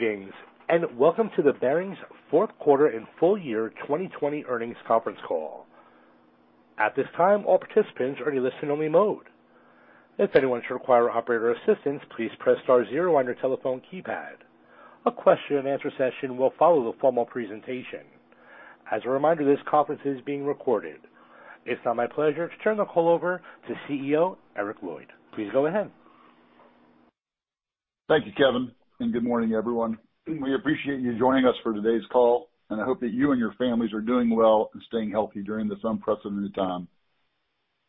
Greetings, welcome to the Barings fourth quarter and full year 2020 earnings conference call. At this time, all participants are in a listen-only mode. If anyone should require operator assistance, please press star zero on your telephone keypad. A question-and-answer session will follow the formal presentation. As a reminder, this conference is being recorded. It's now my pleasure to turn the call over to CEO, Eric Lloyd. Please go ahead. Thank you, Kevin, and good morning, everyone. We appreciate you joining us for today's call, and I hope that you and your families are doing well and staying healthy during this unprecedented time.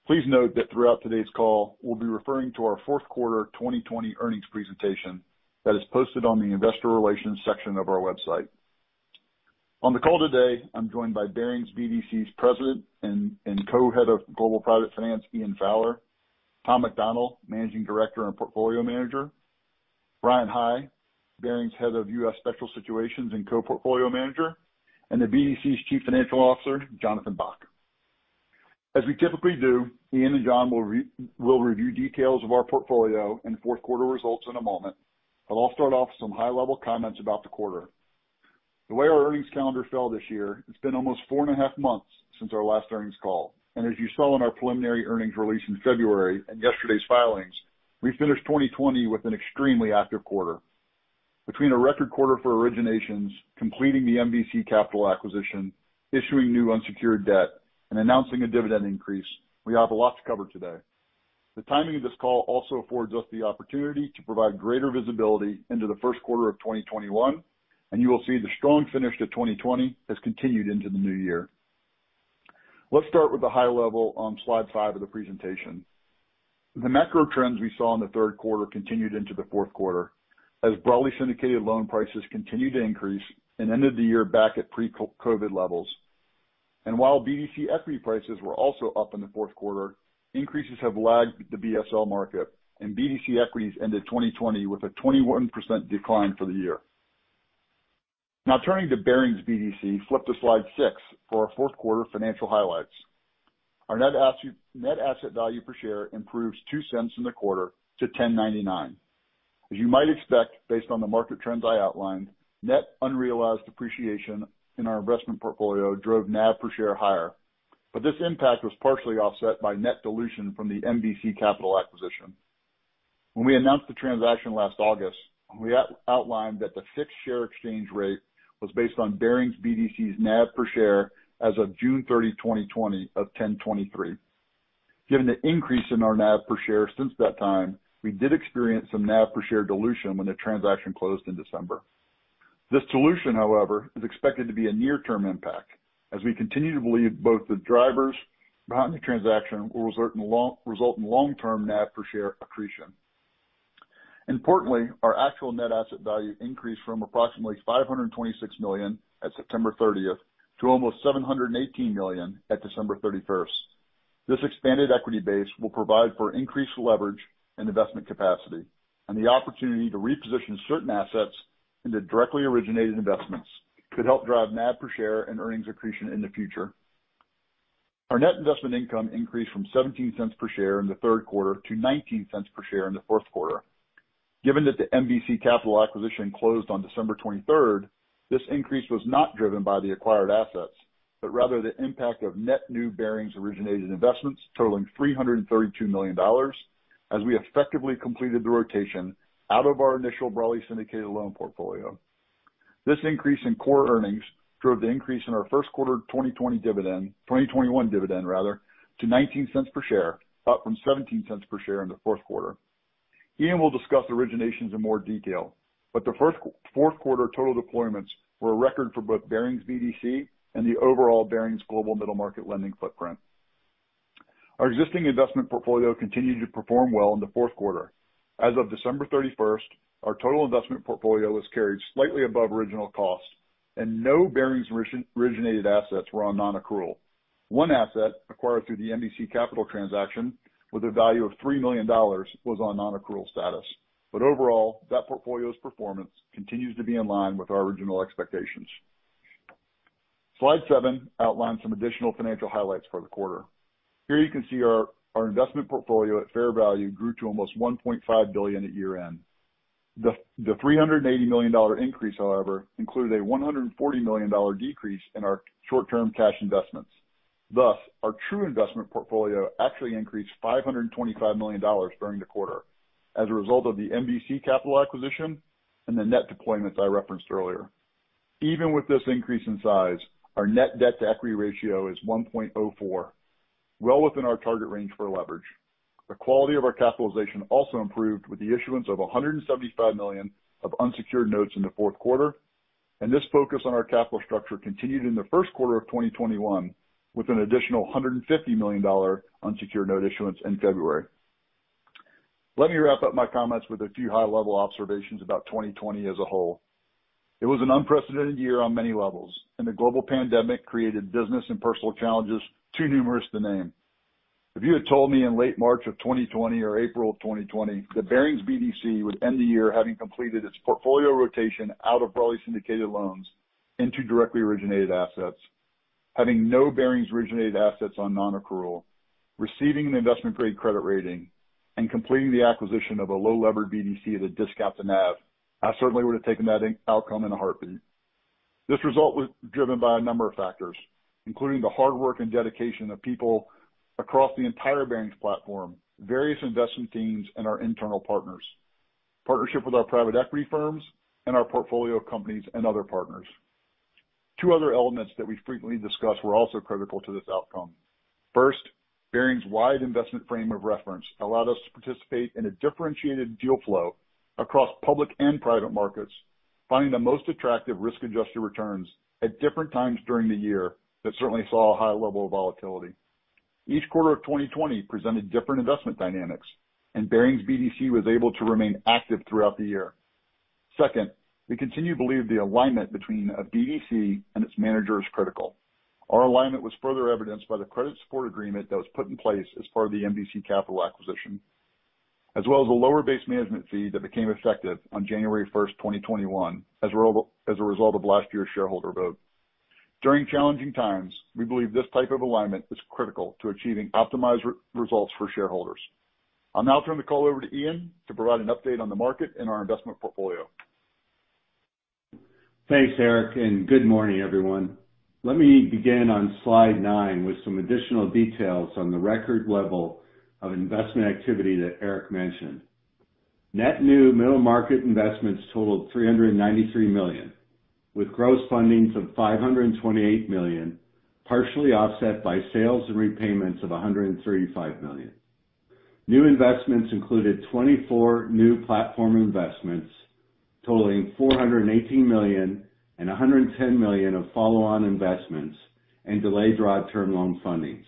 Please note that throughout today's call, we'll be referring to our fourth quarter 2020 earnings presentation that is posted on the investor relations section of our website. On the call today, I'm joined by Barings BDC's President and Co-Head of Global Private Finance, Ian Fowler, Tom McDonnell, Managing Director and Portfolio Manager, Bryan High, Barings Head of U.S. Special Situations and Co-Portfolio Manager, and the BDC's Chief Financial Officer, Jonathan Bock. As we typically do, Ian and John will review details of our portfolio and fourth quarter results in a moment. I'll start off some high-level comments about the quarter. The way our earnings calendar fell this year, it's been almost four and a half months since our last earnings call. As you saw in our preliminary earnings release in February and yesterday's filings, we finished 2020 with an extremely active quarter. Between a record quarter for originations, completing the MVC Capital acquisition, issuing new unsecured debt, and announcing a dividend increase, we have a lot to cover today. The timing of this call also affords us the opportunity to provide greater visibility into the first quarter of 2021, and you will see the strong finish to 2020 has continued into the new year. Let's start with the high level on slide five of the presentation. The macro trends we saw in the third quarter continued into the fourth quarter, as broadly syndicated loan prices continued to increase and ended the year back at pre-COVID levels. While BDC equity prices were also up in the fourth quarter, increases have lagged the BSL market, and BDC equities ended 2020 with a 21% decline for the year. Turning to Barings BDC, flip to slide six for our fourth quarter financial highlights. Our net asset value per share improves $0.02 in the quarter to $10.99. As you might expect, based on the market trends I outlined, net unrealized appreciation in our investment portfolio drove NAV per share higher. This impact was partially offset by net dilution from the MVC Capital acquisition. When we announced the transaction last August, we outlined that the fixed share exchange rate was based on Barings BDC's NAV per share as of June 30, 2020 of $10.23. Given the increase in our NAV per share since that time, we did experience some NAV per share dilution when the transaction closed in December. This dilution, however, is expected to be a near-term impact, as we continue to believe both the drivers behind the transaction will result in long-term NAV per share accretion. Importantly, our actual net asset value increased from approximately $526 million at September 30th to almost $718 million at December 31st. This expanded equity base will provide for increased leverage and investment capacity. The opportunity to reposition certain assets into directly originated investments could help drive NAV per share and earnings accretion in the future. Our net investment income increased from $0.17 per share in the third quarter to $0.19 per share in the fourth quarter. Given that the MVC Capital acquisition closed on December 23rd, this increase was not driven by the acquired assets, but rather the impact of net new Barings originated investments totaling $332 million as we effectively completed the rotation out of our initial broadly syndicated loan portfolio. This increase in core earnings drove the increase in our first quarter 2021 dividend to $0.19 per share, up from $0.17 per share in the fourth quarter. Ian will discuss originations in more detail. The fourth quarter total deployments were a record for both Barings BDC and the overall Barings global middle market lending footprint. Our existing investment portfolio continued to perform well in the fourth quarter. As of December 31st, our total investment portfolio was carried slightly above original cost, and no Barings originated assets were on non-accrual. One asset acquired through the MVC Capital transaction with a value of $3 million was on non-accrual status. Overall, that portfolio's performance continues to be in line with our original expectations. Slide seven outlines some additional financial highlights for the quarter. Here you can see our investment portfolio at fair value grew to almost $1.5 billion at year-end. The $380 million increase, however, included a $140 million decrease in our short-term cash investments. Thus, our true investment portfolio actually increased $525 million during the quarter as a result of the MVC Capital acquisition and the net deployments I referenced earlier. Even with this increase in size, our net debt to equity ratio is 1.04x, well within our target range for leverage. The quality of our capitalization also improved with the issuance of $175 million of unsecured notes in the fourth quarter. This focus on our capital structure continued in the first quarter of 2021 with an additional $150 million unsecured note issuance in February. Let me wrap up my comments with a few high-level observations about 2020 as a whole. It was an unprecedented year on many levels. The global pandemic created business and personal challenges too numerous to name. If you had told me in late March of 2020 or April of 2020 that Barings BDC would end the year having completed its portfolio rotation out of broadly syndicated loans into directly originated assets, having no Barings originated assets on non-accrual, receiving an investment grade credit rating, and completing the acquisition of a low-lever BDC at a discount to NAV, I certainly would have taken that outcome in a heartbeat. This result was driven by a number of factors, including the hard work and dedication of people across the entire Barings platform, various investment teams and our internal partners, partnership with our private equity firms, and our portfolio companies and other partners. Two other elements that we frequently discuss were also critical to this outcome. First, Barings wide investment frame of reference allowed us to participate in a differentiated deal flow across public and private markets, finding the most attractive risk-adjusted returns at different times during the year, that certainly saw a high level of volatility. Each quarter of 2020 presented different investment dynamics, and Barings BDC was able to remain active throughout the year. Second, we continue to believe the alignment between a BDC and its manager is critical. Our alignment was further evidenced by the credit support agreement that was put in place as part of the MVC Capital acquisition, as well as a lower base management fee that became effective on January 1st, 2021 as a result of last year's shareholder vote. During challenging times, we believe this type of alignment is critical to achieving optimized results for shareholders. I'll now turn the call over to Ian to provide an update on the market and our investment portfolio. Thanks, Eric, and good morning, everyone. Let me begin on slide nine with some additional details on the record level of investment activity that Eric mentioned. Net new middle market investments totaled $393 million, with gross fundings of $528 million, partially offset by sales and repayments of $135 million. New investments included 24 new platform investments totaling $418 million and $110 million of follow-on investments in delayed draw term loan fundings.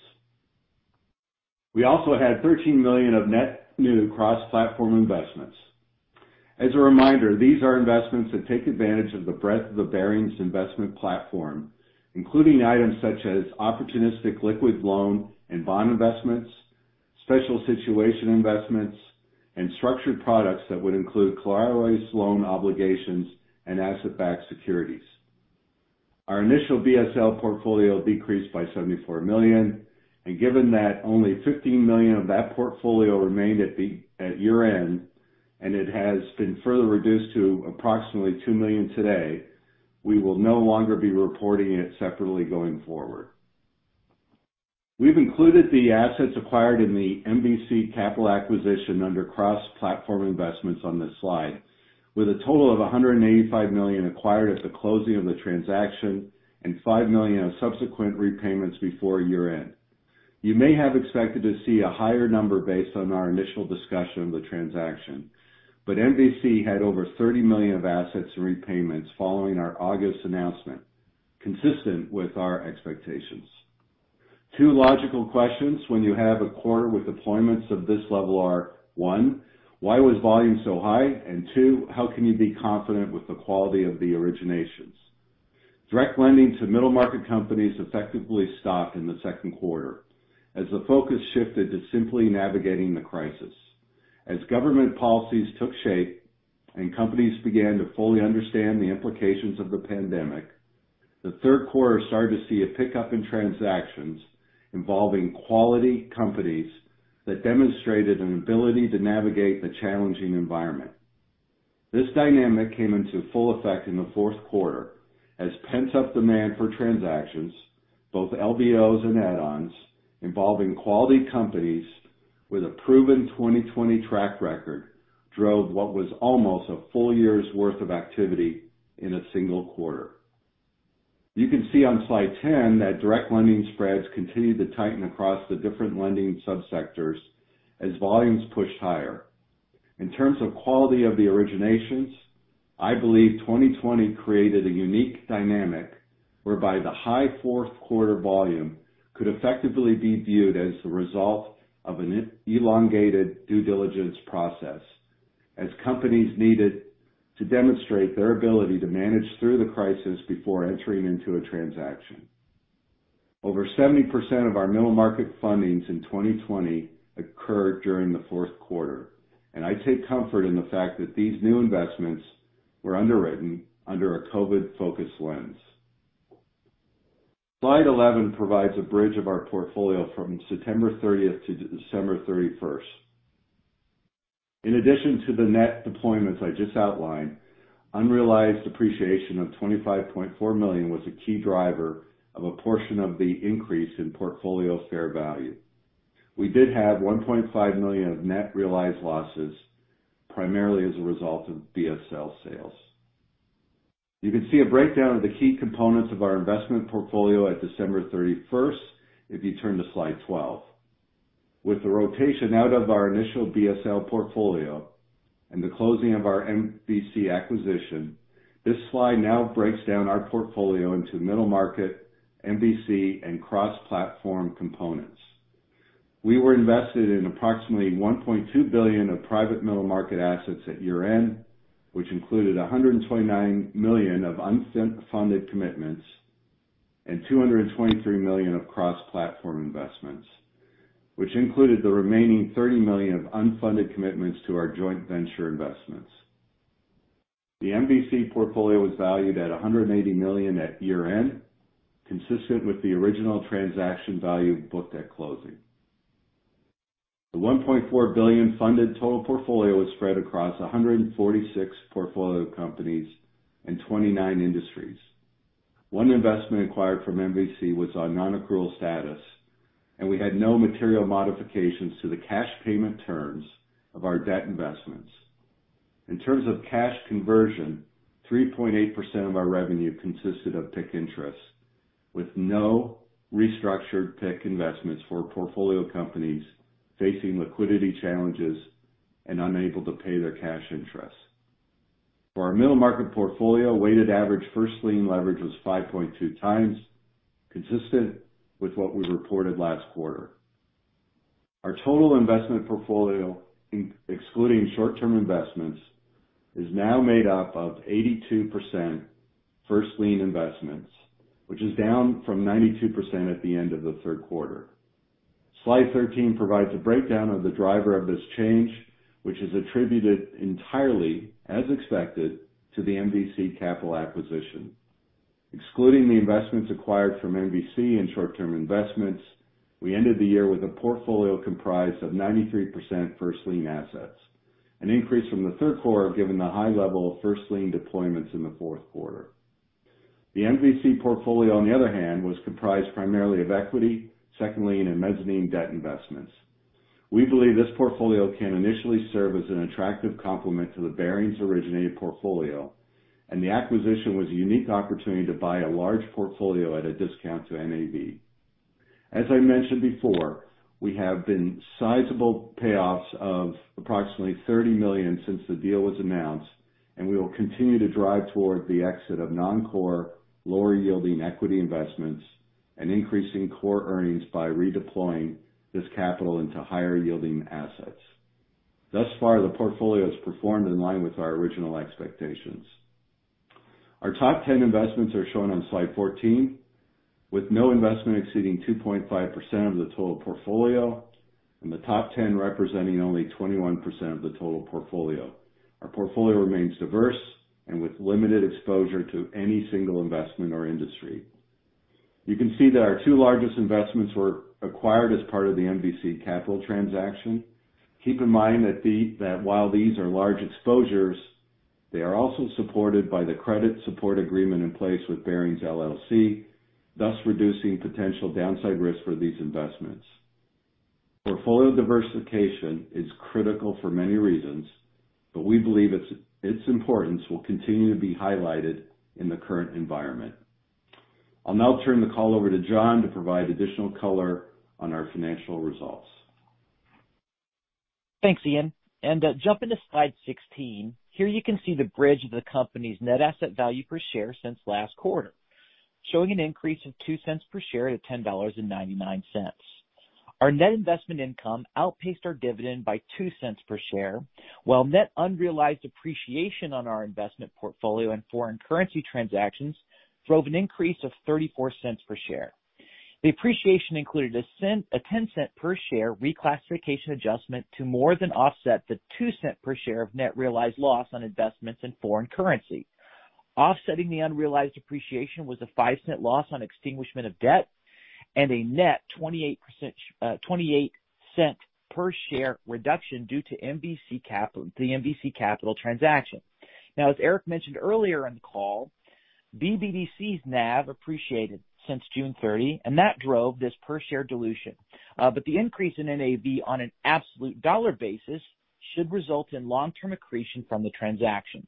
We also had $13 million of net new cross-platform investments. As a reminder, these are investments that take advantage of the breadth of the Barings investment platform, including items such as opportunistic liquid loan and bond investments, special situation investments, and structured products that would include collateralized loan obligations and asset-backed securities. Our initial BSL portfolio decreased by $74 million, and given that only $15 million of that portfolio remained at year-end, and it has been further reduced to approximately $2 million today, we will no longer be reporting it separately going forward. We've included the assets acquired in the MVC Capital acquisition under cross-platform investments on this slide, with a total of $185 million acquired at the closing of the transaction and $5 million of subsequent repayments before year-end. You may have expected to see a higher number based on our initial discussion of the transaction, but MVC had over $30 million of assets and repayments following our August announcement, consistent with our expectations. Two logical questions when you have a quarter with deployments of this level are, one, why was volume so high? Two, how can you be confident with the quality of the originations? Direct lending to middle market companies effectively stopped in the second quarter as the focus shifted to simply navigating the crisis. As government policies took shape and companies began to fully understand the implications of the pandemic, the third quarter started to see a pickup in transactions involving quality companies that demonstrated an ability to navigate the challenging environment. This dynamic came into full effect in the fourth quarter as pent-up demand for transactions, both LBOs and add-ons, involving quality companies with a proven 2020 track record, drove what was almost a full year's worth of activity in a single quarter. You can see on slide 10 that direct lending spreads continued to tighten across the different lending sub-sectors as volumes pushed higher. In terms of quality of the originations, I believe 2020 created a unique dynamic whereby the high fourth quarter volume could effectively be viewed as the result of an elongated due diligence process as companies needed to demonstrate their ability to manage through the crisis before entering into a transaction. Over 70% of our middle market fundings in 2020 occurred during the fourth quarter, and I take comfort in the fact that these new investments were underwritten under a COVID-focused lens. Slide 11 provides a bridge of our portfolio from September 30th to December 31st. In addition to the net deployments I just outlined, unrealized depreciation of $25.4 million was a key driver of a portion of the increase in portfolio fair value. We did have $1.5 million of net realized losses, primarily as a result of BSL sales. You can see a breakdown of the key components of our investment portfolio at December 31st if you turn to slide 12. With the rotation out of our initial BSL portfolio and the closing of our MVC acquisition, this slide now breaks down our portfolio into middle market, MVC, and cross-platform components. We were invested in approximately $1.2 billion of private middle market assets at year-end, which included $129 million of unfunded commitments and $223 million of cross-platform investments, which included the remaining $30 million of unfunded commitments to our joint venture investments. The MVC portfolio was valued at $180 million at year-end, consistent with the original transaction value booked at closing. The $1.4 billion funded total portfolio was spread across 146 portfolio companies and 29 industries. One investment acquired from MVC was on non-accrual status, and we had no material modifications to the cash payment terms of our debt investments. In terms of cash conversion, 3.8% of our revenue consisted of PIK interest, with no restructured PIK investments for portfolio companies facing liquidity challenges and unable to pay their cash interest. For our middle market portfolio, weighted average first lien leverage was 5.2x, consistent with what we reported last quarter. Our total investment portfolio, excluding short-term investments, is now made up of 82% first lien investments, which is down from 92% at the end of the third quarter. Slide 13 provides a breakdown of the driver of this change, which is attributed entirely, as expected, to the MVC Capital acquisition. Excluding the investments acquired from MVC and short-term investments, we ended the year with a portfolio comprised of 93% first lien assets, an increase from the third quarter given the high level of first lien deployments in the fourth quarter. The MVC portfolio, on the other hand, was comprised primarily of equity, second lien, and mezzanine debt investments. We believe this portfolio can initially serve as an attractive complement to the Barings-originated portfolio, the acquisition was a unique opportunity to buy a large portfolio at a discount to NAV. As I mentioned before, we have been sizable payoffs of approximately $30 million since the deal was announced, we will continue to drive toward the exit of non-core, lower-yielding equity investments and increasing core earnings by redeploying this capital into higher-yielding assets. Thus far, the portfolio has performed in line with our original expectations. Our top 10 investments are shown on slide 14, with no investment exceeding 2.5% of the total portfolio and the top 10 representing only 21% of the total portfolio. Our portfolio remains diverse and with limited exposure to any single investment or industry. You can see that our two largest investments were acquired as part of the MVC Capital transaction. Keep in mind that while these are large exposures, they are also supported by the credit support agreement in place with Barings LLC, thus reducing potential downside risk for these investments. Portfolio diversification is critical for many reasons. We believe its importance will continue to be highlighted in the current environment. I'll now turn the call over to John to provide additional color on our financial results. Thanks, Ian. Jumping to slide 16, here you can see the bridge of the company's net asset value per share since last quarter, showing an increase of $0.02 per share to $10.99. Our net investment income outpaced our dividend by $0.02 per share, while net unrealized appreciation on our investment portfolio and foreign currency transactions drove an increase of $0.34 per share. The appreciation included a $0.10 per share reclassification adjustment to more than offset the $0.02 per share of net realized loss on investments in foreign currency. Offsetting the unrealized appreciation was a $0.05 loss on extinguishment of debt and a net $0.28 per share reduction due to the MVC Capital transaction. As Eric mentioned earlier in the call, BBDC's NAV appreciated since June 30, and that drove this per share dilution. The increase in NAV on an absolute dollar basis should result in long-term accretion from the transaction.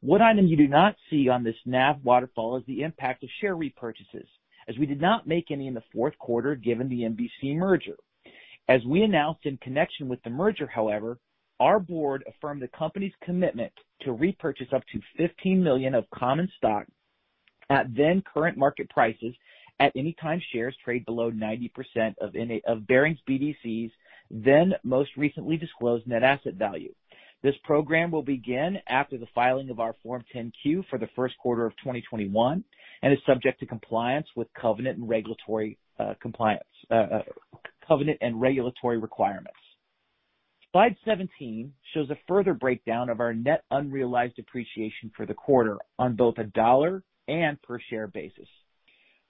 One item you do not see on this NAV waterfall is the impact of share repurchases, as we did not make any in the fourth quarter given the MVC merger. As we announced in connection with the merger, however, our board affirmed the company's commitment to repurchase up to $15 million of common stock at then current market prices at any time shares trade below 90% of Barings BDC's then most recently disclosed net asset value. This program will begin after the filing of our Form 10-Q for the first quarter of 2021 and is subject to covenant and regulatory requirements. Slide 17 shows a further breakdown of our net unrealized appreciation for the quarter on both a dollar and per share basis.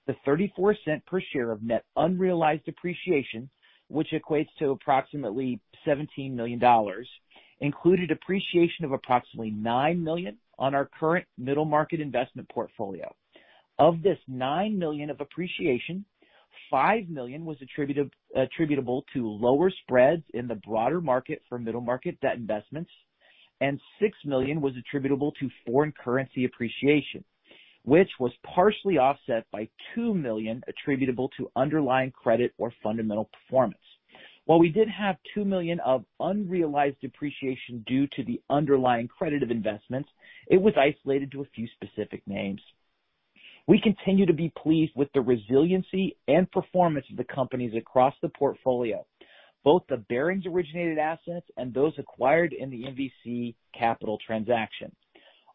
The $0.34 per share of net unrealized appreciation, which equates to approximately $17 million, included appreciation of approximately $9 million on our current middle market investment portfolio. Of this $9 million of appreciation, $5 million was attributable to lower spreads in the broader market for middle market debt investments, and $6 million was attributable to foreign currency appreciation, which was partially offset by $2 million attributable to underlying credit or fundamental performance. While we did have $2 million of unrealized appreciation due to the underlying credit of investments, it was isolated to a few specific names. We continue to be pleased with the resiliency and performance of the companies across the portfolio, both the Barings-originated assets and those acquired in the MVC Capital transaction.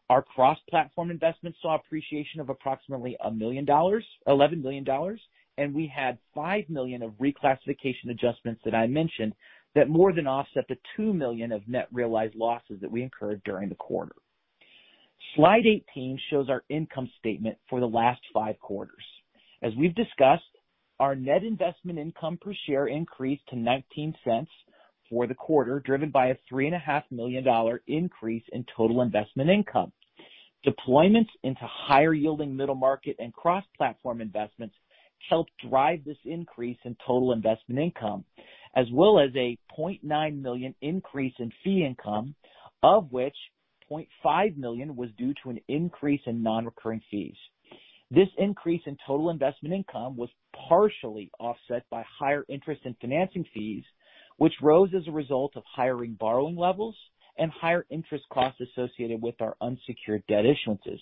Our cross-platform investments saw appreciation of approximately $11 million, and we had $5 million of reclassification adjustments that I mentioned that more than offset the $2 million of net realized losses that we incurred during the quarter. Slide 18 shows our income statement for the last five quarters. As we've discussed, our net investment income per share increased to $0.19 for the quarter, driven by a $3.5 million increase in total investment income. Deployments into higher yielding middle market and cross-platform investments helped drive this increase in total investment income, as well as a $0.9 million increase in fee income, of which $0.5 million was due to an increase in non-recurring fees. This increase in total investment income was partially offset by higher interest in financing fees, which rose as a result of higher borrowing levels and higher interest costs associated with our unsecured debt issuances.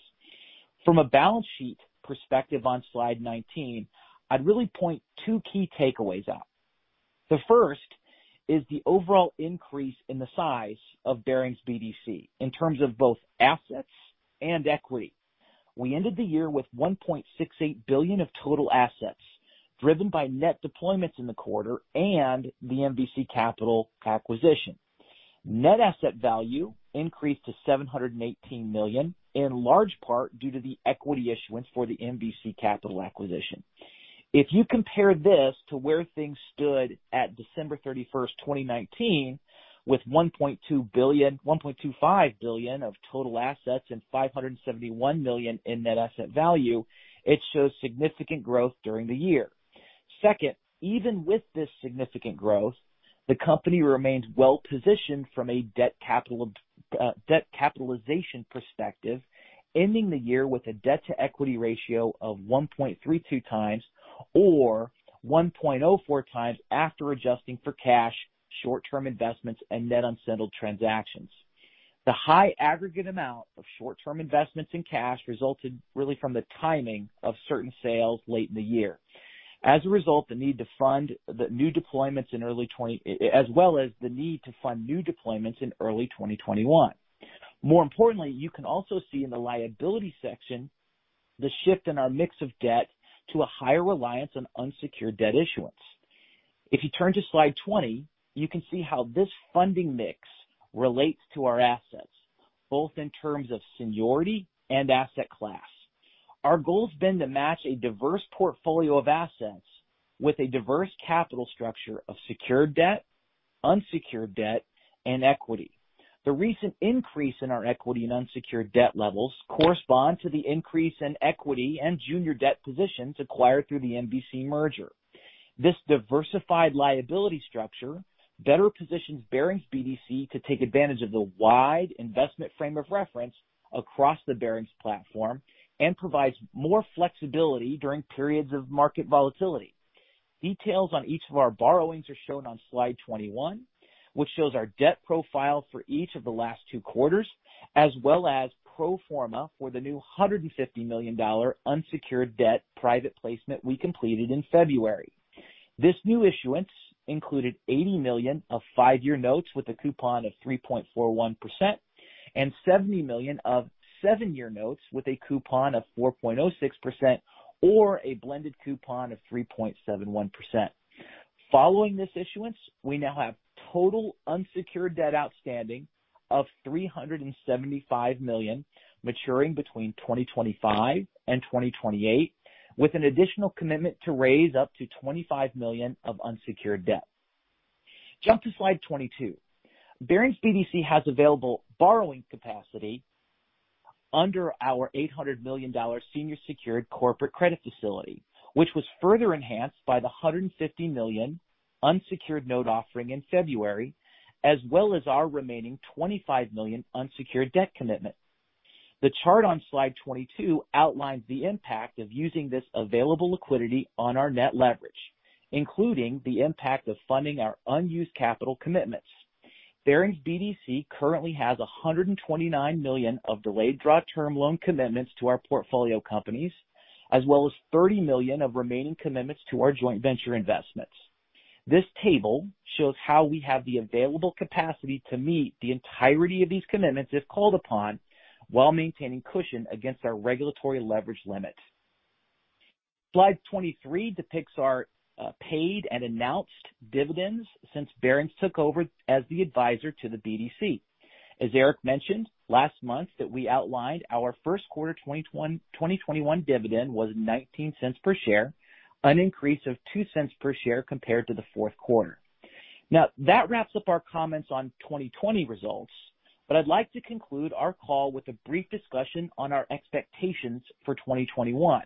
From a balance sheet perspective on Slide 19, I'd really point two key takeaways out. The first is the overall increase in the size of Barings BDC in terms of both assets and equity. We ended the year with $1.68 billion of total assets, driven by net deployments in the quarter and the MVC Capital acquisition. Net asset value increased to $718 million, in large part due to the equity issuance for the MVC Capital acquisition. If you compare this to where things stood at December 31st, 2019, with $1.25 billion of total assets and $571 million in net asset value, it shows significant growth during the year. Second, even with this significant growth, the company remains well-positioned from a debt capitalization perspective, ending the year with a debt-to-equity ratio of 1.32x or 1.04x after adjusting for cash, short-term investments, and net unsettled transactions. The high aggregate amount of short-term investments in cash resulted really from the timing of certain sales late in the year. As a result, as well as the need to fund new deployments in early 2021. More importantly, you can also see in the liability section the shift in our mix of debt to a higher reliance on unsecured debt issuance. If you turn to slide 20, you can see how this funding mix relates to our assets, both in terms of seniority and asset class. Our goal has been to match a diverse portfolio of assets with a diverse capital structure of secured debt, unsecured debt, and equity. The recent increase in our equity and unsecured debt levels correspond to the increase in equity and junior debt positions acquired through the MVC merger. This diversified liability structure better positions Barings BDC to take advantage of the wide investment frame of reference across the Barings platform and provides more flexibility during periods of market volatility. Details on each of our borrowings are shown on slide 21, which shows our debt profile for each of the last two quarters, as well as pro forma for the new $150 million unsecured debt private placement we completed in February. This new issuance included $80 million of five-year notes with a coupon of 3.41% and $70 million of seven-year notes with a coupon of 4.06%, or a blended coupon of 3.71%. Following this issuance, we now have total unsecured debt outstanding of $375 million maturing between 2025 and 2028 with an additional commitment to raise up to $25 million of unsecured debt. Jump to slide 22. Barings BDC has available borrowing capacity under our $800 million senior secured corporate credit facility, which was further enhanced by the $150 million unsecured note offering in February, as well as our remaining $25 million unsecured debt commitment. The chart on slide 22 outlines the impact of using this available liquidity on our net leverage, including the impact of funding our unused capital commitments. Barings BDC currently has $129 million of delayed draw term loan commitments to our portfolio companies, as well as $30 million of remaining commitments to our joint venture investments. This table shows how we have the available capacity to meet the entirety of these commitments, if called upon, while maintaining cushion against our regulatory leverage limits. Slide 23 depicts our paid and announced dividends since Barings took over as the advisor to the BDC. As Eric mentioned last month that we outlined our first quarter 2021 dividend was $0.19 per share, an increase of $0.02 per share compared to the fourth quarter. Now, that wraps up our comments on 2020 results. I'd like to conclude our call with a brief discussion on our expectations for 2021,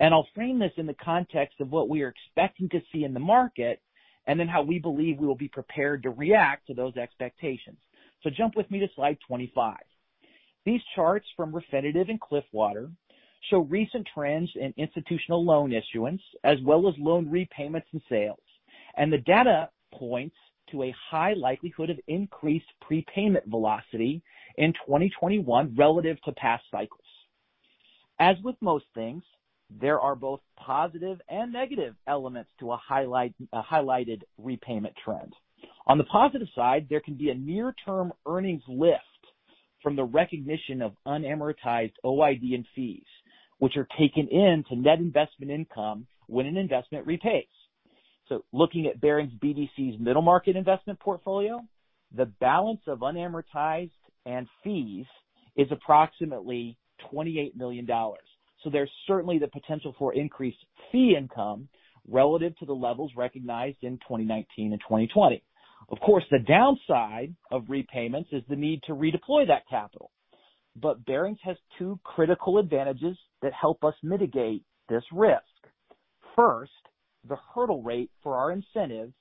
and I'll frame this in the context of what we are expecting to see in the market, and then how we believe we will be prepared to react to those expectations. Jump with me to slide 25. These charts from Refinitiv and Cliffwater show recent trends in institutional loan issuance, as well as loan repayments and sales. The data points to a high likelihood of increased prepayment velocity in 2021 relative to past cycles. As with most things, there are both positive and negative elements to a highlighted repayment trend. On the positive side, there can be a near-term earnings lift from the recognition of unamortized OID and fees, which are taken into net investment income when an investment repays. Looking at Barings BDC's middle market investment portfolio, the balance of unamortized and fees is approximately $28 million. There's certainly the potential for increased fee income relative to the levels recognized in 2019 and 2020. Of course, the downside of repayments is the need to redeploy that capital. Barings has two critical advantages that help us mitigate this risk. First, the hurdle rate for our incentives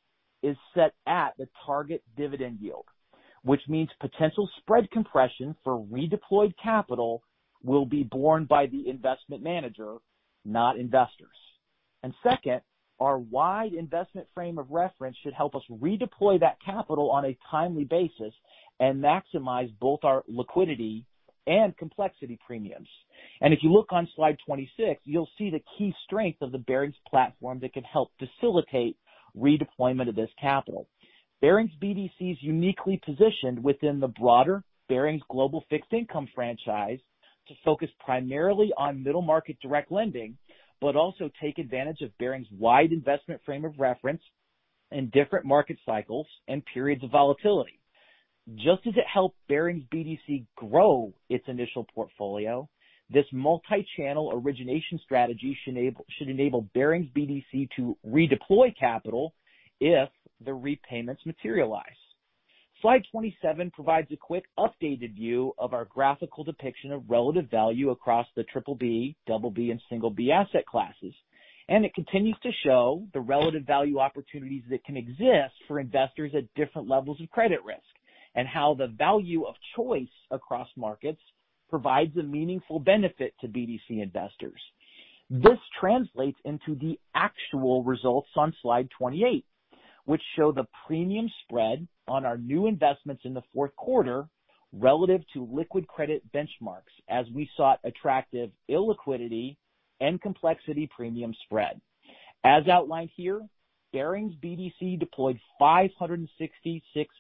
is set at the target dividend yield, which means potential spread compression for redeployed capital will be borne by the investment manager, not investors. Second, our wide investment frame of reference should help us redeploy that capital on a timely basis and maximize both our liquidity and complexity premiums. If you look on slide 26, you'll see the key strength of the Barings platform that can help facilitate redeployment of this capital. Barings BDC is uniquely positioned within the broader Barings global fixed income franchise to focus primarily on middle market direct lending, but also take advantage of Barings' wide investment frame of reference in different market cycles and periods of volatility. Just as it helped Barings BDC grow its initial portfolio, this multi-channel origination strategy should enable Barings BDC to redeploy capital if the repayments materialize. Slide 27 provides a quick updated view of our graphical depiction of relative value across the BBB, BB, and B asset classes. It continues to show the relative value opportunities that can exist for investors at different levels of credit risk, and how the value of choice across markets provides a meaningful benefit to BDC investors. This translates into the actual results on slide 28, which show the premium spread on our new investments in the fourth quarter relative to liquid credit benchmarks as we sought attractive illiquidity and complexity premium spread. As outlined here, Barings BDC deployed $566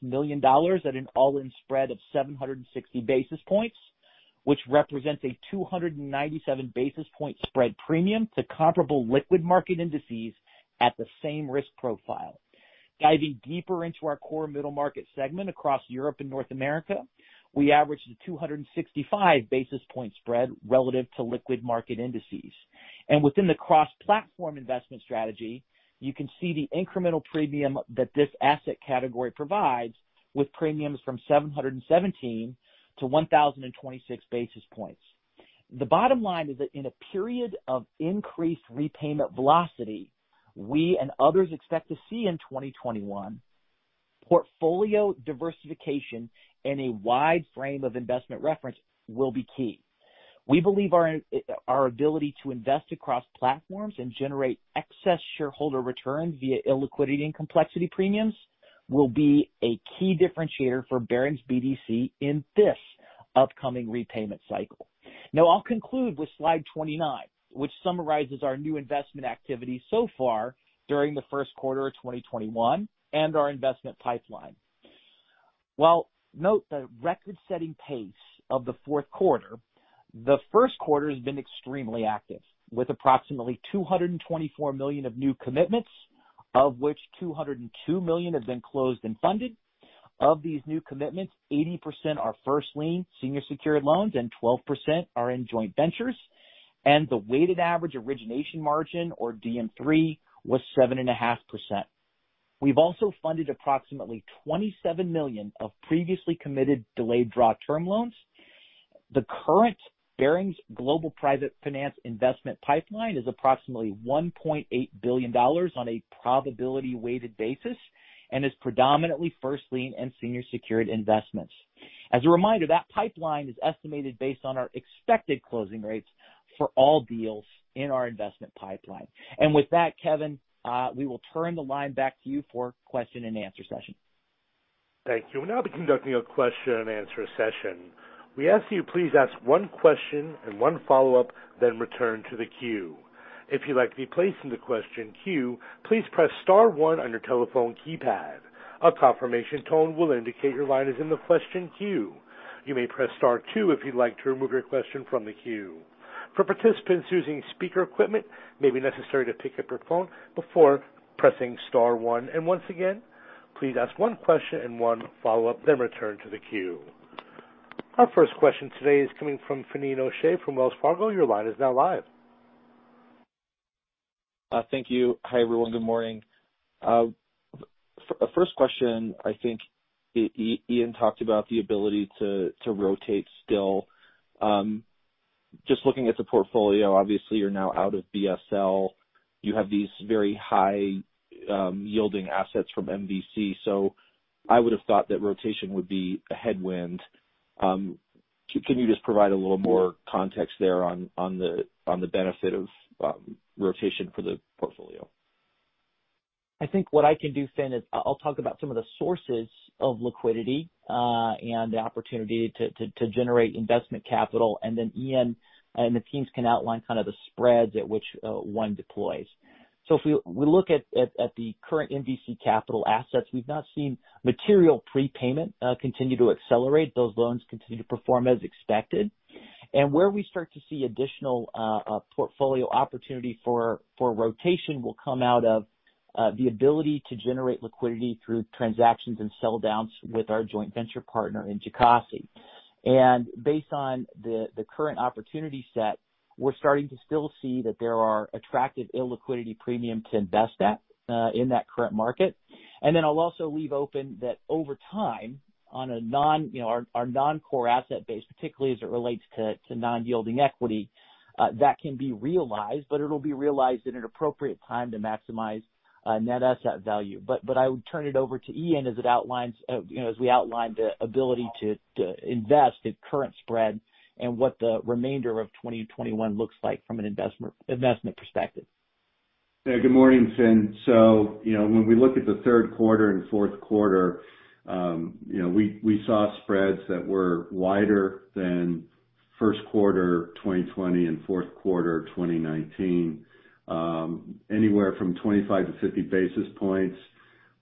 million at an all-in spread of 760 basis points, which represents a 297 basis point spread premium to comparable liquid market indices at the same risk profile. Diving deeper into our core middle market segment across Europe and North America, we averaged a 265 basis point spread relative to liquid market indices. Within the cross-platform investment strategy, you can see the incremental premium that this asset category provides with premiums from 717 to 1,026 basis points. The bottom line is that in a period of increased repayment velocity, we and others expect to see in 2021, portfolio diversification and a wide frame of investment reference will be key. We believe our ability to invest across platforms and generate excess shareholder returns via illiquidity and complexity premiums will be a key differentiator for Barings BDC in this upcoming repayment cycle. I'll conclude with slide 29, which summarizes our new investment activity so far during the first quarter of 2021 and our investment pipeline. While note the record-setting pace of the fourth quarter, the first quarter has been extremely active, with approximately $224 million of new commitments, of which $202 million have been closed and funded. Of these new commitments, 80% are first lien senior secured loans and 12% are in joint ventures. The weighted average origination margin, or DM3, was 7.5%. We've also funded approximately $27 million of previously committed delayed draw term loans. The current Barings Global Private Finance investment pipeline is approximately $1.8 billion on a probability weighted basis and is predominantly first lien and senior secured investments. As a reminder, that pipeline is estimated based on our expected closing rates for all deals in our investment pipeline. With that, Kevin, we will turn the line back to you for question-and-answer session. Thank you. We'll now be conducting a question-and-answer session. We ask you please ask one question and one follow-up, then return to the queue. If you'd like to be placed in the question queue, please press star one on your telephone keypad. A confirmation tone will indicate your line is in the question queue. You may press star two if you'd like to remove your question from the queue. For participants using speaker equipment, it may be necessary to pick up your phone before pressing star one. Once again, please ask one question and one follow-up, then return to the queue. Our first question today is coming from Finian O'Shea from Wells Fargo. Your line is now live. Thank you. Hi, everyone. Good morning. First question, I think Ian talked about the ability to rotate still. Just looking at the portfolio, obviously you're now out of BSL. You have these very high yielding assets from MVC. I would have thought that rotation would be a headwind. Can you just provide a little more context there on the benefit of rotation for the portfolio? I think what I can do, Finian, is I'll talk about some of the sources of liquidity, and the opportunity to generate investment capital. Then Ian and the teams can outline kind of the spreads at which one deploys. If we look at the current MVC Capital assets, we've not seen material prepayment continue to accelerate. Those loans continue to perform as expected. And where we start to see additional portfolio opportunity for rotation will come out of the ability to generate liquidity through transactions and sell downs with our joint venture partner in Jocassee. Based on the current opportunity set, we're starting to still see that there are attractive illiquidity premium to invest at in that current market. I'll also leave open that over time on our non-core asset base, particularly as it relates to non-yielding equity, that can be realized, but it'll be realized at an appropriate time to maximize net asset value. I would turn it over to Ian as we outline the ability to invest at current spread and what the remainder of 2021 looks like from an investment perspective. Yeah, good morning, Fin. When we look at the third quarter and fourth quarter, we saw spreads that were wider than first quarter 2020 and fourth quarter 2019. Anywhere from 25 to 50 basis points.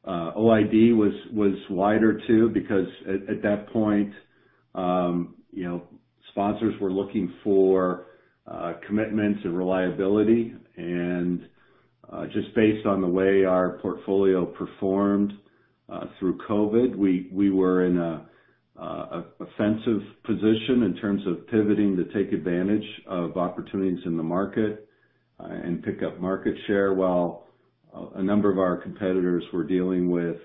OID was wider too, because at that point, sponsors were looking for commitments and reliability. Just based on the way our portfolio performed through COVID, we were in an offensive position in terms of pivoting to take advantage of opportunities in the market and pick up market share while a number of our competitors were dealing with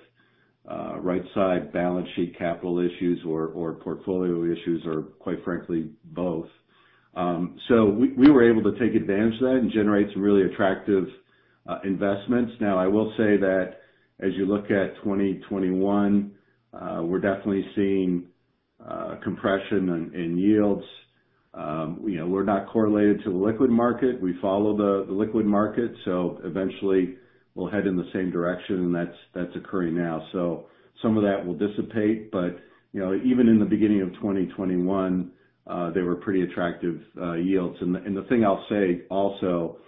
right-side balance sheet capital issues or portfolio issues, or quite frankly, both. We were able to take advantage of that and generate some really attractive investments. Now, I will say that as you look at 2021, we're definitely seeing compression in yields. We're not correlated to the liquid market. We follow the liquid market, so eventually we'll head in the same direction, and that's occurring now. Some of that will dissipate, but even in the beginning of 2021, they were pretty attractive yields. The thing I'll say also,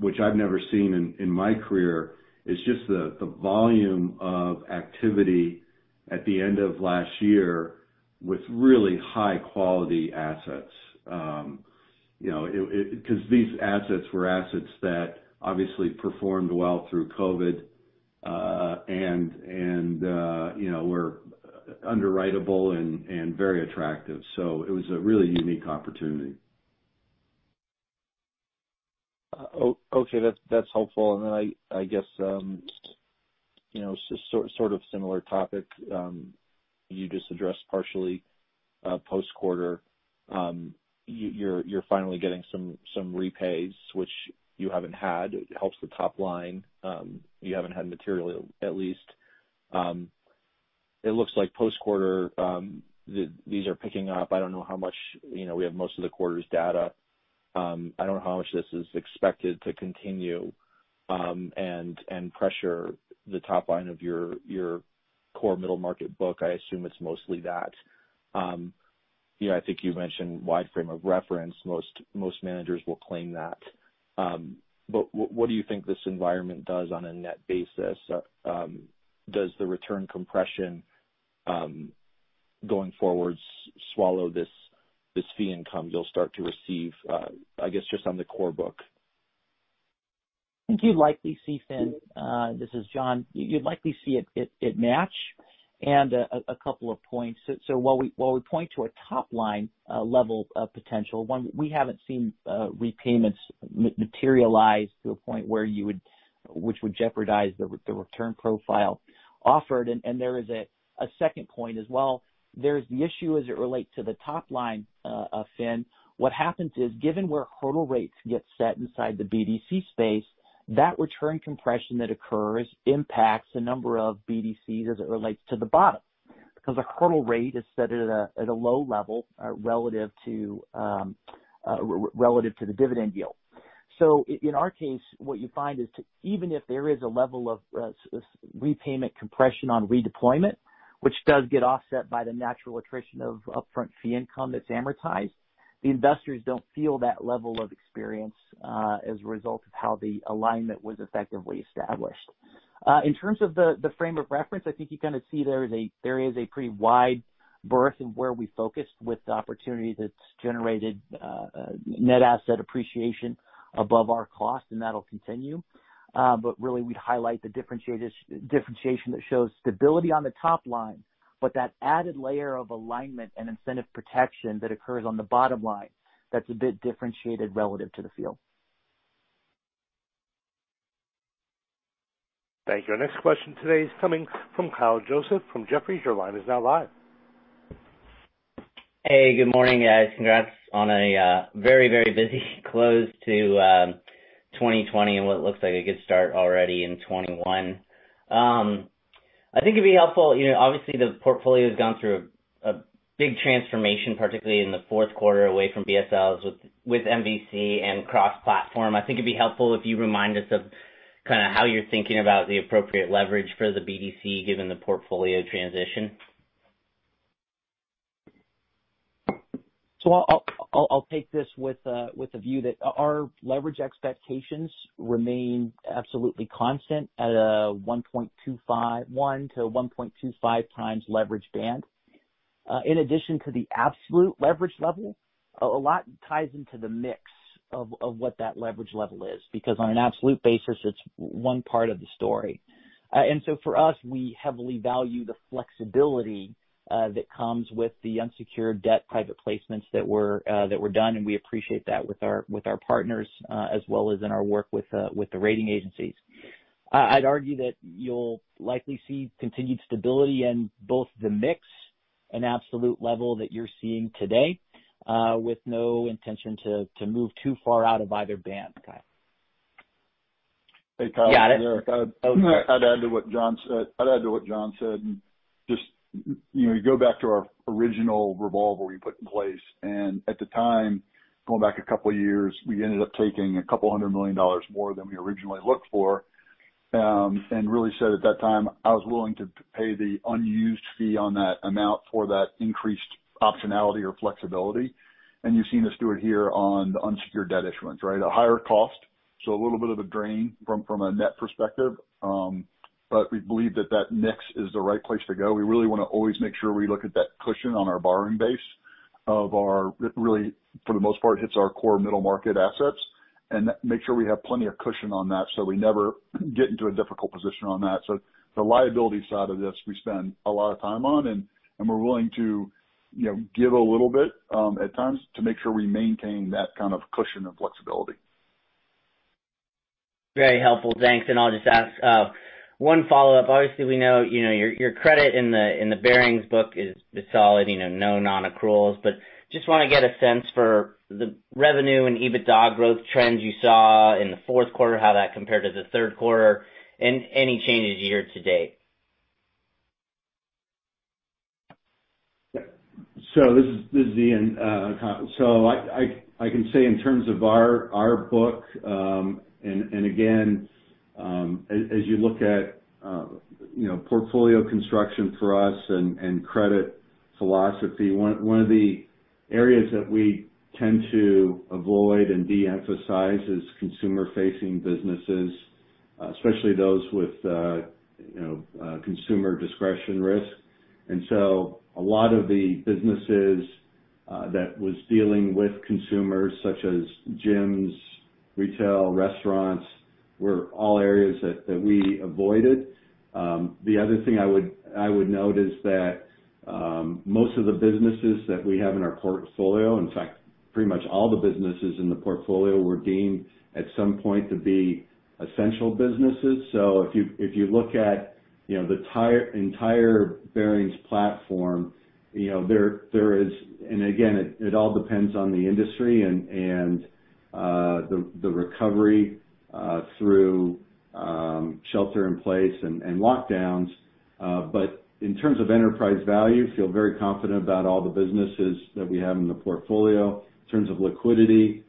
which I've never seen in my career, is just the volume of activity at the end of last year with really high-quality assets. These assets were assets that obviously performed well through COVID, and were underwriteable and very attractive. It was a really unique opportunity. Okay. That's helpful. I guess, sort of similar topic you just addressed partially post-quarter. You're finally getting some repays, which you haven't had. It helps the top line. You haven't had material, at least. It looks like post-quarter, these are picking up. I don't know how much. We have most of the quarter's data. I don't know how much this is expected to continue and pressure the top line of your core middle market book. I assume it's mostly that. I think you mentioned wide frame of reference. Most managers will claim that. What do you think this environment does on a net basis? Does the return compression, going forward, swallow this fee income you'll start to receive, I guess, just on the core book? I think you'd likely see, Fin, this is John. You'd likely see it match. A couple of points. While we point to a top-line level of potential, one, we haven't seen repayments materialize to a point which would jeopardize the return profile offered. There is a second point as well. There is the issue as it relates to the top line, Fin. What happens is, given where hurdle rates get set inside the BDC space, that return compression that occurs impacts a number of BDCs as it relates to the bottom. Because a hurdle rate is set at a low level relative to the dividend yield. In our case, what you find is even if there is a level of repayment compression on redeployment, which does get offset by the natural attrition of upfront fee income that's amortized, the investors don't feel that level of experience as a result of how the alignment was effectively established. In terms of the frame of reference, I think you kind of see there is a pretty wide berth in where we focus with the opportunity that's generated net asset appreciation above our cost, and that'll continue. Really we'd highlight the differentiation that shows stability on the top line, but that added layer of alignment and incentive protection that occurs on the bottom line that's a bit differentiated relative to the field. Thank you. Our next question today is coming from Kyle Joseph from Jefferies. Your line is now live. Hey, good morning, guys. Congrats on a very busy close to 2020 and what looks like a good start already in 2021. I think it'd be helpful. Obviously, the portfolio's gone through a big transformation, particularly in the fourth quarter, away from BSLs with MVC and cross-platform. I think it'd be helpful if you remind us of kind of how you're thinking about the appropriate leverage for the BDC given the portfolio transition. I'll take this with the view that our leverage expectations remain absolutely constant at a 1.25x, 1x to 1.25x leverage band. In addition to the absolute leverage level, a lot ties into the mix of what that leverage level is because on an absolute basis, it's one part of the story. For us, we heavily value the flexibility that comes with the unsecured debt private placements that were done, and we appreciate that with our partners, as well as in our work with the rating agencies. I'd argue that you'll likely see continued stability in both the mix and absolute level that you're seeing today, with no intention to move too far out of either band, Kyle. Hey, Kyle. Got it. I'd add to what John said. Just go back to our original revolver we put in place. At the time, going back a couple of years, we ended up taking $a couple hundred million more than we originally looked for. Really said at that time, I was willing to pay the unused fee on that amount for that increased optionality or flexibility. You've seen us do it here on the unsecured debt issuance, right? A higher cost, a little bit of a drain from a net perspective. We believe that that mix is the right place to go. We really want to always make sure we look at that cushion on our borrowing base really, for the most part, hits our core middle market assets, and make sure we have plenty of cushion on that so we never get into a difficult position on that. The liability side of this, we spend a lot of time on, and we're willing to give a little bit at times to make sure we maintain that kind of cushion of flexibility. Very helpful. Thanks. I'll just ask one follow-up. Obviously, we know your credit in the Barings book is solid, no non-accruals, but just want to get a sense for the revenue and EBITDA growth trends you saw in the fourth quarter, how that compared to the third quarter, and any changes year to date. This is Ian. I can say in terms of our book, and again, as you look at portfolio construction for us and credit philosophy, one of the areas that we tend to avoid and de-emphasize is consumer-facing businesses, especially those with consumer discretion risk. A lot of the businesses that was dealing with consumers, such as gyms, retail, restaurants, were all areas that we avoided. The other thing I would note is that most of the businesses that we have in our portfolio, in fact, pretty much all the businesses in the portfolio were deemed at some point to be essential businesses. If you look at the entire Barings platform, and again, it all depends on the industry and the recovery through shelter in place and lockdowns. In terms of enterprise value, feel very confident about all the businesses that we have in the portfolio. In terms of liquidity,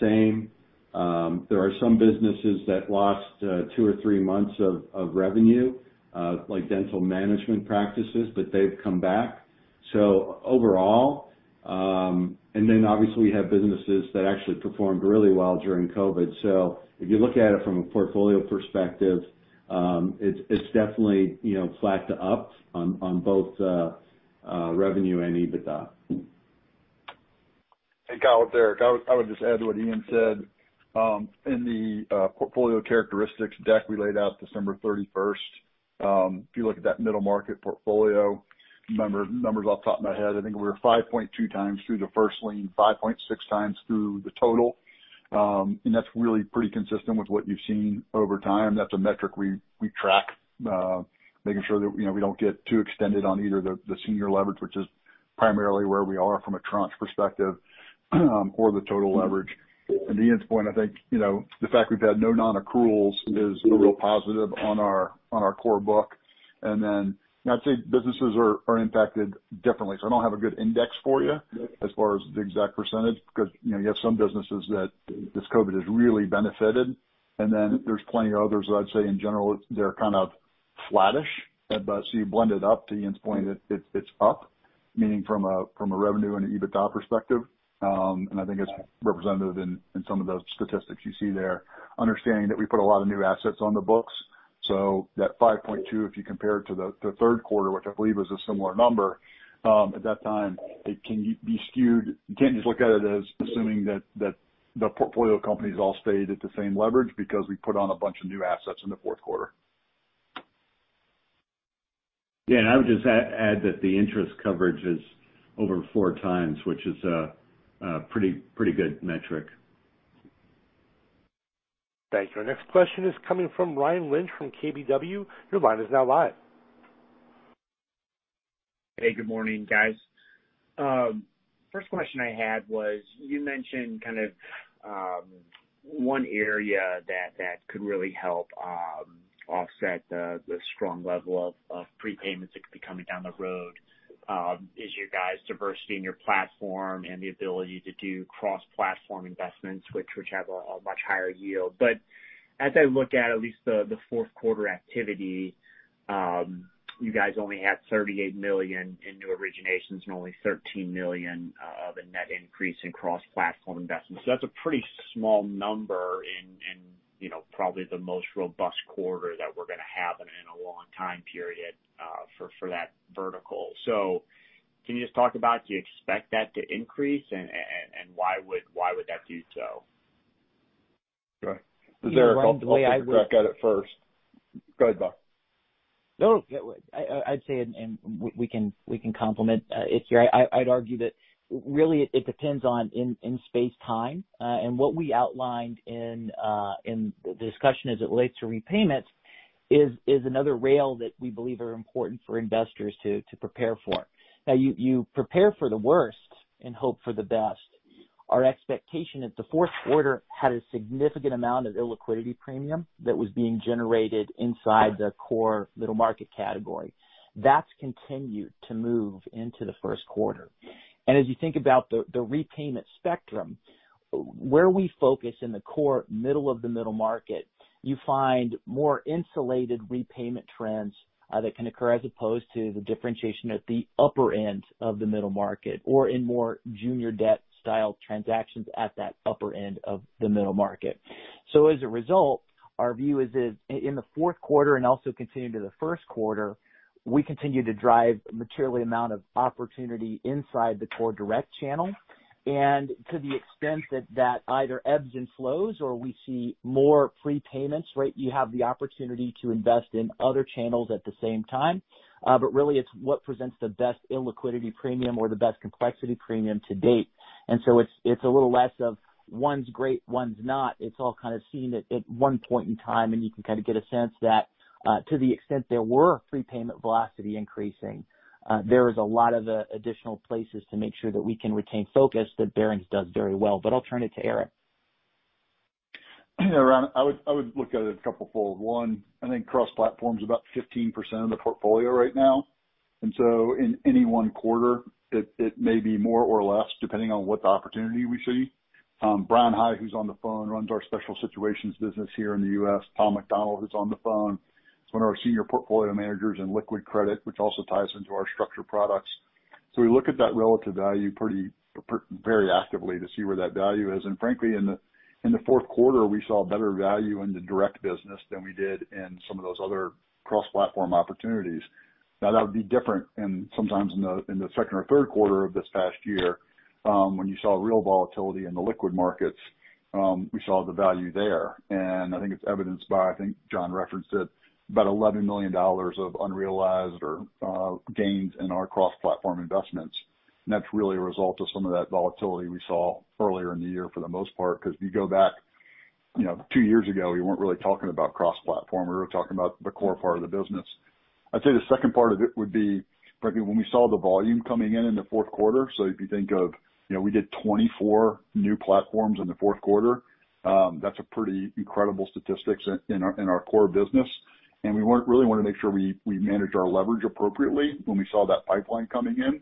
same. There are some businesses that lost two or three months of revenue, like dental management practices, but they've come back. Obviously, we have businesses that actually performed really well during COVID. If you look at it from a portfolio perspective, it's definitely flat to up on both revenue and EBITDA. Hey, Kyle. It's Eric. I would just add to what Ian said. In the portfolio characteristics deck we laid out December 31st. If you look at that middle market portfolio, numbers off the top of my head, I think we were 5.2x through the first lien, 5.6x through the total. That's really pretty consistent with what you've seen over time. That's a metric we track, making sure that we don't get too extended on either the senior leverage, which is primarily where we are from a tranche perspective, or the total leverage. To Ian's point, I think, the fact we've had no non-accruals is a real positive on our core book. I'd say businesses are impacted differently. I don't have a good index for you as far as the exact percentage, because you have some businesses that this COVID has really benefited, and then there's plenty of others that I'd say in general, they're kind of flattish. You blend it up to Ian's point, it's up, meaning from a revenue and an EBITDA perspective. I think it's representative in some of those statistics you see there. Understanding that we put a lot of new assets on the books. That 5.2x, if you compare it to the third quarter, which I believe is a similar number, at that time, it can be skewed. You can't just look at it as assuming that the portfolio companies all stayed at the same leverage because we put on a bunch of new assets in the fourth quarter. Yeah, I would just add that the interest coverage is over 4x, which is a pretty good metric. Thank you. Our next question is coming from Ryan Lynch from KBW. Your line is now live. Hey, good morning, guys. First question I had was, you mentioned kind of one area that could really help offset the strong level of prepayments that could be coming down the road is you guys diversity in your platform and the ability to do cross-platform investments, which have a much higher yield. As I look at least the fourth quarter activity, you guys only had $38 million in new originations and only $13 million of a net increase in cross-platform investments. That's a pretty small number in. Probably the most robust quarter that we're going to have in a long time period for that vertical. Can you just talk about, do you expect that to increase, and why would that do so? Go ahead. Is there I'll take a crack at it first. Go ahead, Bock. No. I'd say, we can complement. I'd argue that really it depends on in space-time. What we outlined in the discussion as it relates to repayments is another rail that we believe are important for investors to prepare for. Now, you prepare for the worst and hope for the best. Our expectation is the fourth quarter had a significant amount of illiquidity premium that was being generated inside the core middle market category. That's continued to move into the first quarter. As you think about the repayment spectrum, where we focus in the core, middle of the middle market, you find more insulated repayment trends that can occur as opposed to the differentiation at the upper end of the middle market or in more junior debt-style transactions at that upper end of the middle market. As a result, our view is that in the fourth quarter and also continuing to the first quarter, we continue to drive a material amount of opportunity inside the core direct channel. To the extent that either ebbs and flows or we see more prepayments, you have the opportunity to invest in other channels at the same time. Really it's what presents the best illiquidity premium or the best complexity premium to date. It's a little less of one's great, one's not. It's all kind of seen at one point in time, and you can kind of get a sense that, to the extent there were prepayment velocity increasing, there is a lot of the additional places to make sure that we can retain focus that Barings does very well. I'll turn it to Eric. Around I would look at it a couple-fold. I think cross-platform is about 15% of the portfolio right now. In any one quarter, it may be more or less, depending on what opportunity we see. Bryan High, who's on the phone, runs our special situations business here in the U.S. Paul McDonald, who's on the phone, is one of our senior portfolio managers in liquid credit, which also ties into our structured products. We look at that relative value very actively to see where that value is. Frankly, in the fourth quarter, we saw better value in the direct business than we did in some of those other cross-platform opportunities. That would be different sometimes in the second or third quarter of this past year. When you saw real volatility in the liquid markets, we saw the value there. I think it's evidenced by, I think John referenced it, about $11 million of unrealized or gains in our cross-platform investments. That's really a result of some of that volatility we saw earlier in the year for the most part. If you go back two years ago, we weren't really talking about cross-platform. We were talking about the core part of the business. I'd say the second part of it would be, frankly, when we saw the volume coming in the fourth quarter. If you think of we did 24 new platforms in the fourth quarter. That's a pretty incredible statistic in our core business. We really want to make sure we manage our leverage appropriately when we saw that pipeline coming in,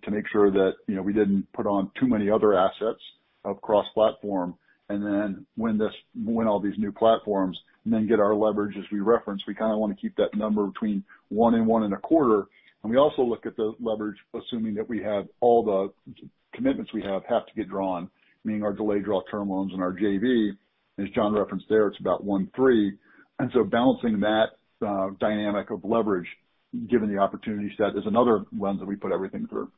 to make sure that we didn't put on too many other assets of cross-platform. When all these new platforms and then get our leverage as we reference, we kind of want to keep that number between one and one and a quarter. We also look at the leverage, assuming that we have all the commitments we have to get drawn, meaning our delayed draw term loans and our JV, as John referenced there, it's about 1.3x. Balancing that dynamic of leverage, given the opportunity set, is another lens that we put everything through.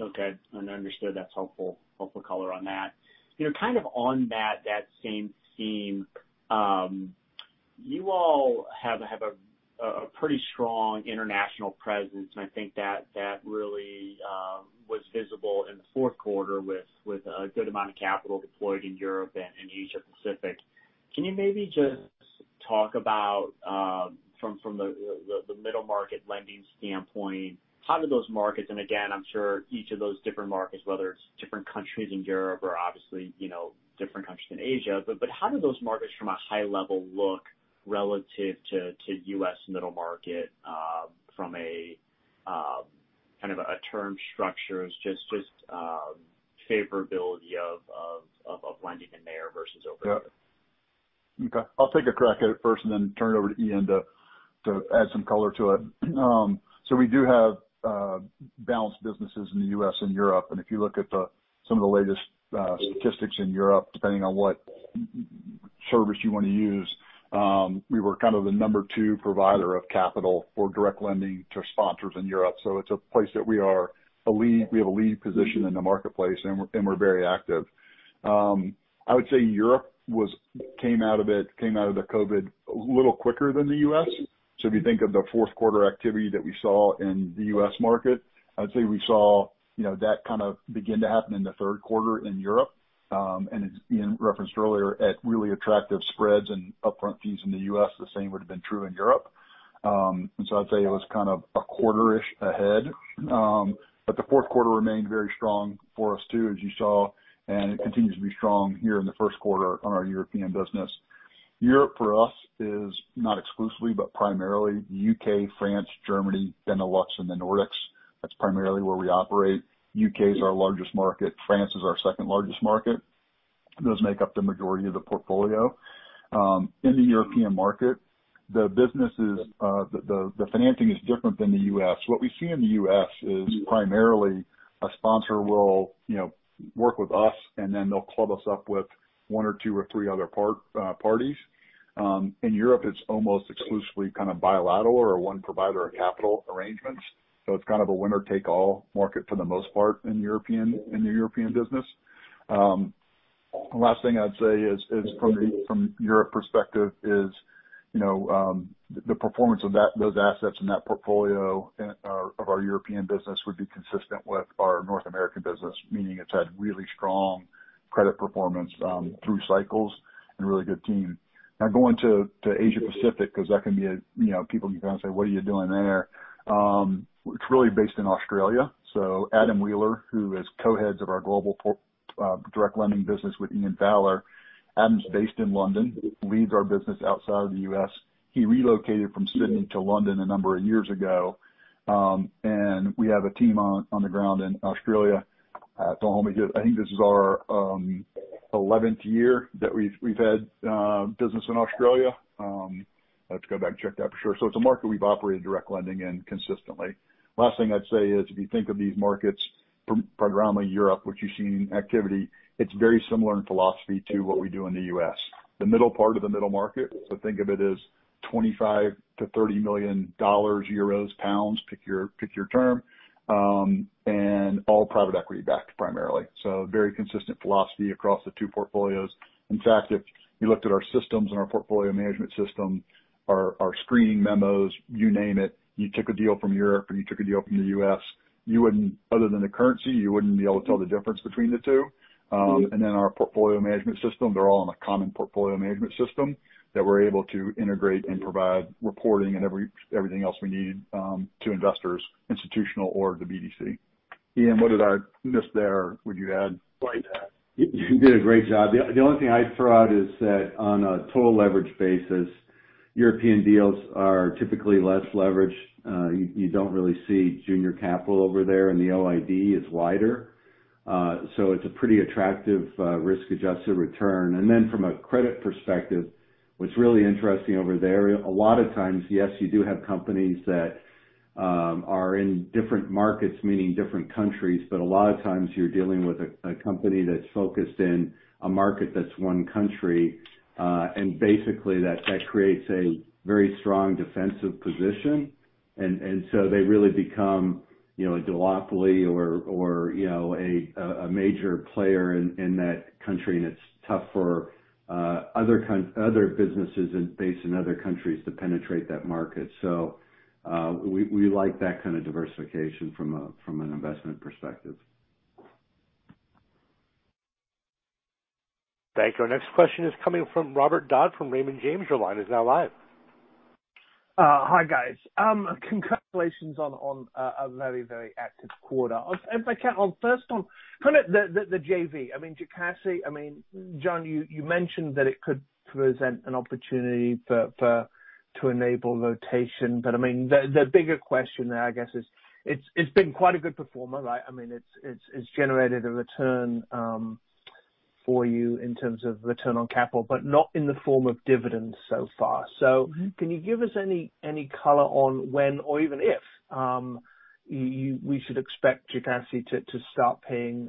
Okay. Understood. That's helpful color on that. Kind of on that same theme, you all have a pretty strong international presence, and I think that really was visible in the fourth quarter with a good amount of capital deployed in Europe and Asia Pacific. Can you maybe just talk about, from the middle market lending standpoint, how do those markets, and again, I'm sure each of those different markets, whether it's different countries in Europe or obviously different countries in Asia? How do those markets from a high level look relative to U.S. middle market from a kind of a term structures, just favorability of lending in there versus over here? Okay. I'll take a crack at it first and then turn it over to Ian to add some color to it. We do have balanced businesses in the U.S. and Europe. If you look at some of the latest statistics in Europe, depending on what service you want to use, we were kind of the number two provider of capital for direct lending to sponsors in Europe. It's a place that we have a lead position in the marketplace, and we're very active. I would say Europe came out of the COVID a little quicker than the U.S. If you think of the fourth quarter activity that we saw in the U.S. market, I'd say we saw that kind of begin to happen in the third quarter in Europe. As Ian referenced earlier, at really attractive spreads and upfront fees in the U.S., the same would have been true in Europe. I'd say it was kind of a quarter-ish ahead. The fourth quarter remained very strong for us, too, as you saw, and it continues to be strong here in the first quarter on our European business. Europe, for us, is not exclusively, but primarily U.K., France, Germany, Benelux, and the Nordics. That's primarily where we operate. U.K. is our largest market. France is our second largest market. Those make up the majority of the portfolio. In the European market. The businesses, the financing is different than the U.S. What we see in the U.S. is primarily a sponsor will work with us, and then they'll club us up with one or two or three other parties. In Europe, it's almost exclusively kind of bilateral or one provider of capital arrangements. It's kind of a winner-take-all market for the most part in the European business. Last thing I'd say is from Europe perspective is, the performance of those assets in that portfolio of our European business would be consistent with our North American business, meaning it's had really strong credit performance through cycles and a really good team. Going to Asia Pacific, because that can be People are going to say, "What are you doing there?" It's really based in Australia. Adam Wheeler, who is co-heads of our global direct lending business with Ian Fowler. Adam's based in London, leads our business outside of the U.S. He relocated from Sydney to London a number of years ago. We have a team on the ground in Australia. I think this is our 11th year that we've had business in Australia. I have to go back and check that for sure. It's a market we've operated direct lending in consistently. Last thing I'd say is, if you think of these markets from primarily Europe, which you've seen activity, it's very similar in philosophy to what we do in the U.S. The middle part of the middle market. Think of it as $25 million to $30 million, EUR, GBP, pick your term, and all private equity-backed primarily. Very consistent philosophy across the two portfolios. In fact, if you looked at our systems and our portfolio management system, our screening memos, you name it. You took a deal from Europe or you took a deal from the U.S., other than the currency, you wouldn't be able to tell the difference between the two. Our portfolio management system, they're all on a common portfolio management system that we're able to integrate and provide reporting and everything else we need to investors, institutional or the BDC. Ian, what did I miss there? Would you add to that? You did a great job. The only thing I'd throw out is that on a total leverage basis, European deals are typically less leveraged. You don't really see junior capital over there, and the OID is wider. It's a pretty attractive risk-adjusted return. From a credit perspective, what's really interesting over there, a lot of times, yes, you do have companies that are in different markets, meaning different countries, but a lot of times you're dealing with a company that's focused in a market that's one country. Basically that creates a very strong defensive position. They really become a duopoly or a major player in that country. It's tough for other businesses based in other countries to penetrate that market. We like that kind of diversification from an investment perspective. Thank you. Our next question is coming from Robert Dodd from Raymond James. Your line is now live. Hi, guys. Congratulations on a very, very active quarter. If I can, first on the JV. I mean, Jocassee, Jon, you mentioned that it could present an opportunity to enable rotation. The bigger question there, I guess, is it's been quite a good performer, right? It's generated a return for you in terms of return on capital, but not in the form of dividends so far. Can you give us any color on when or even if we should expect Jocassee to start paying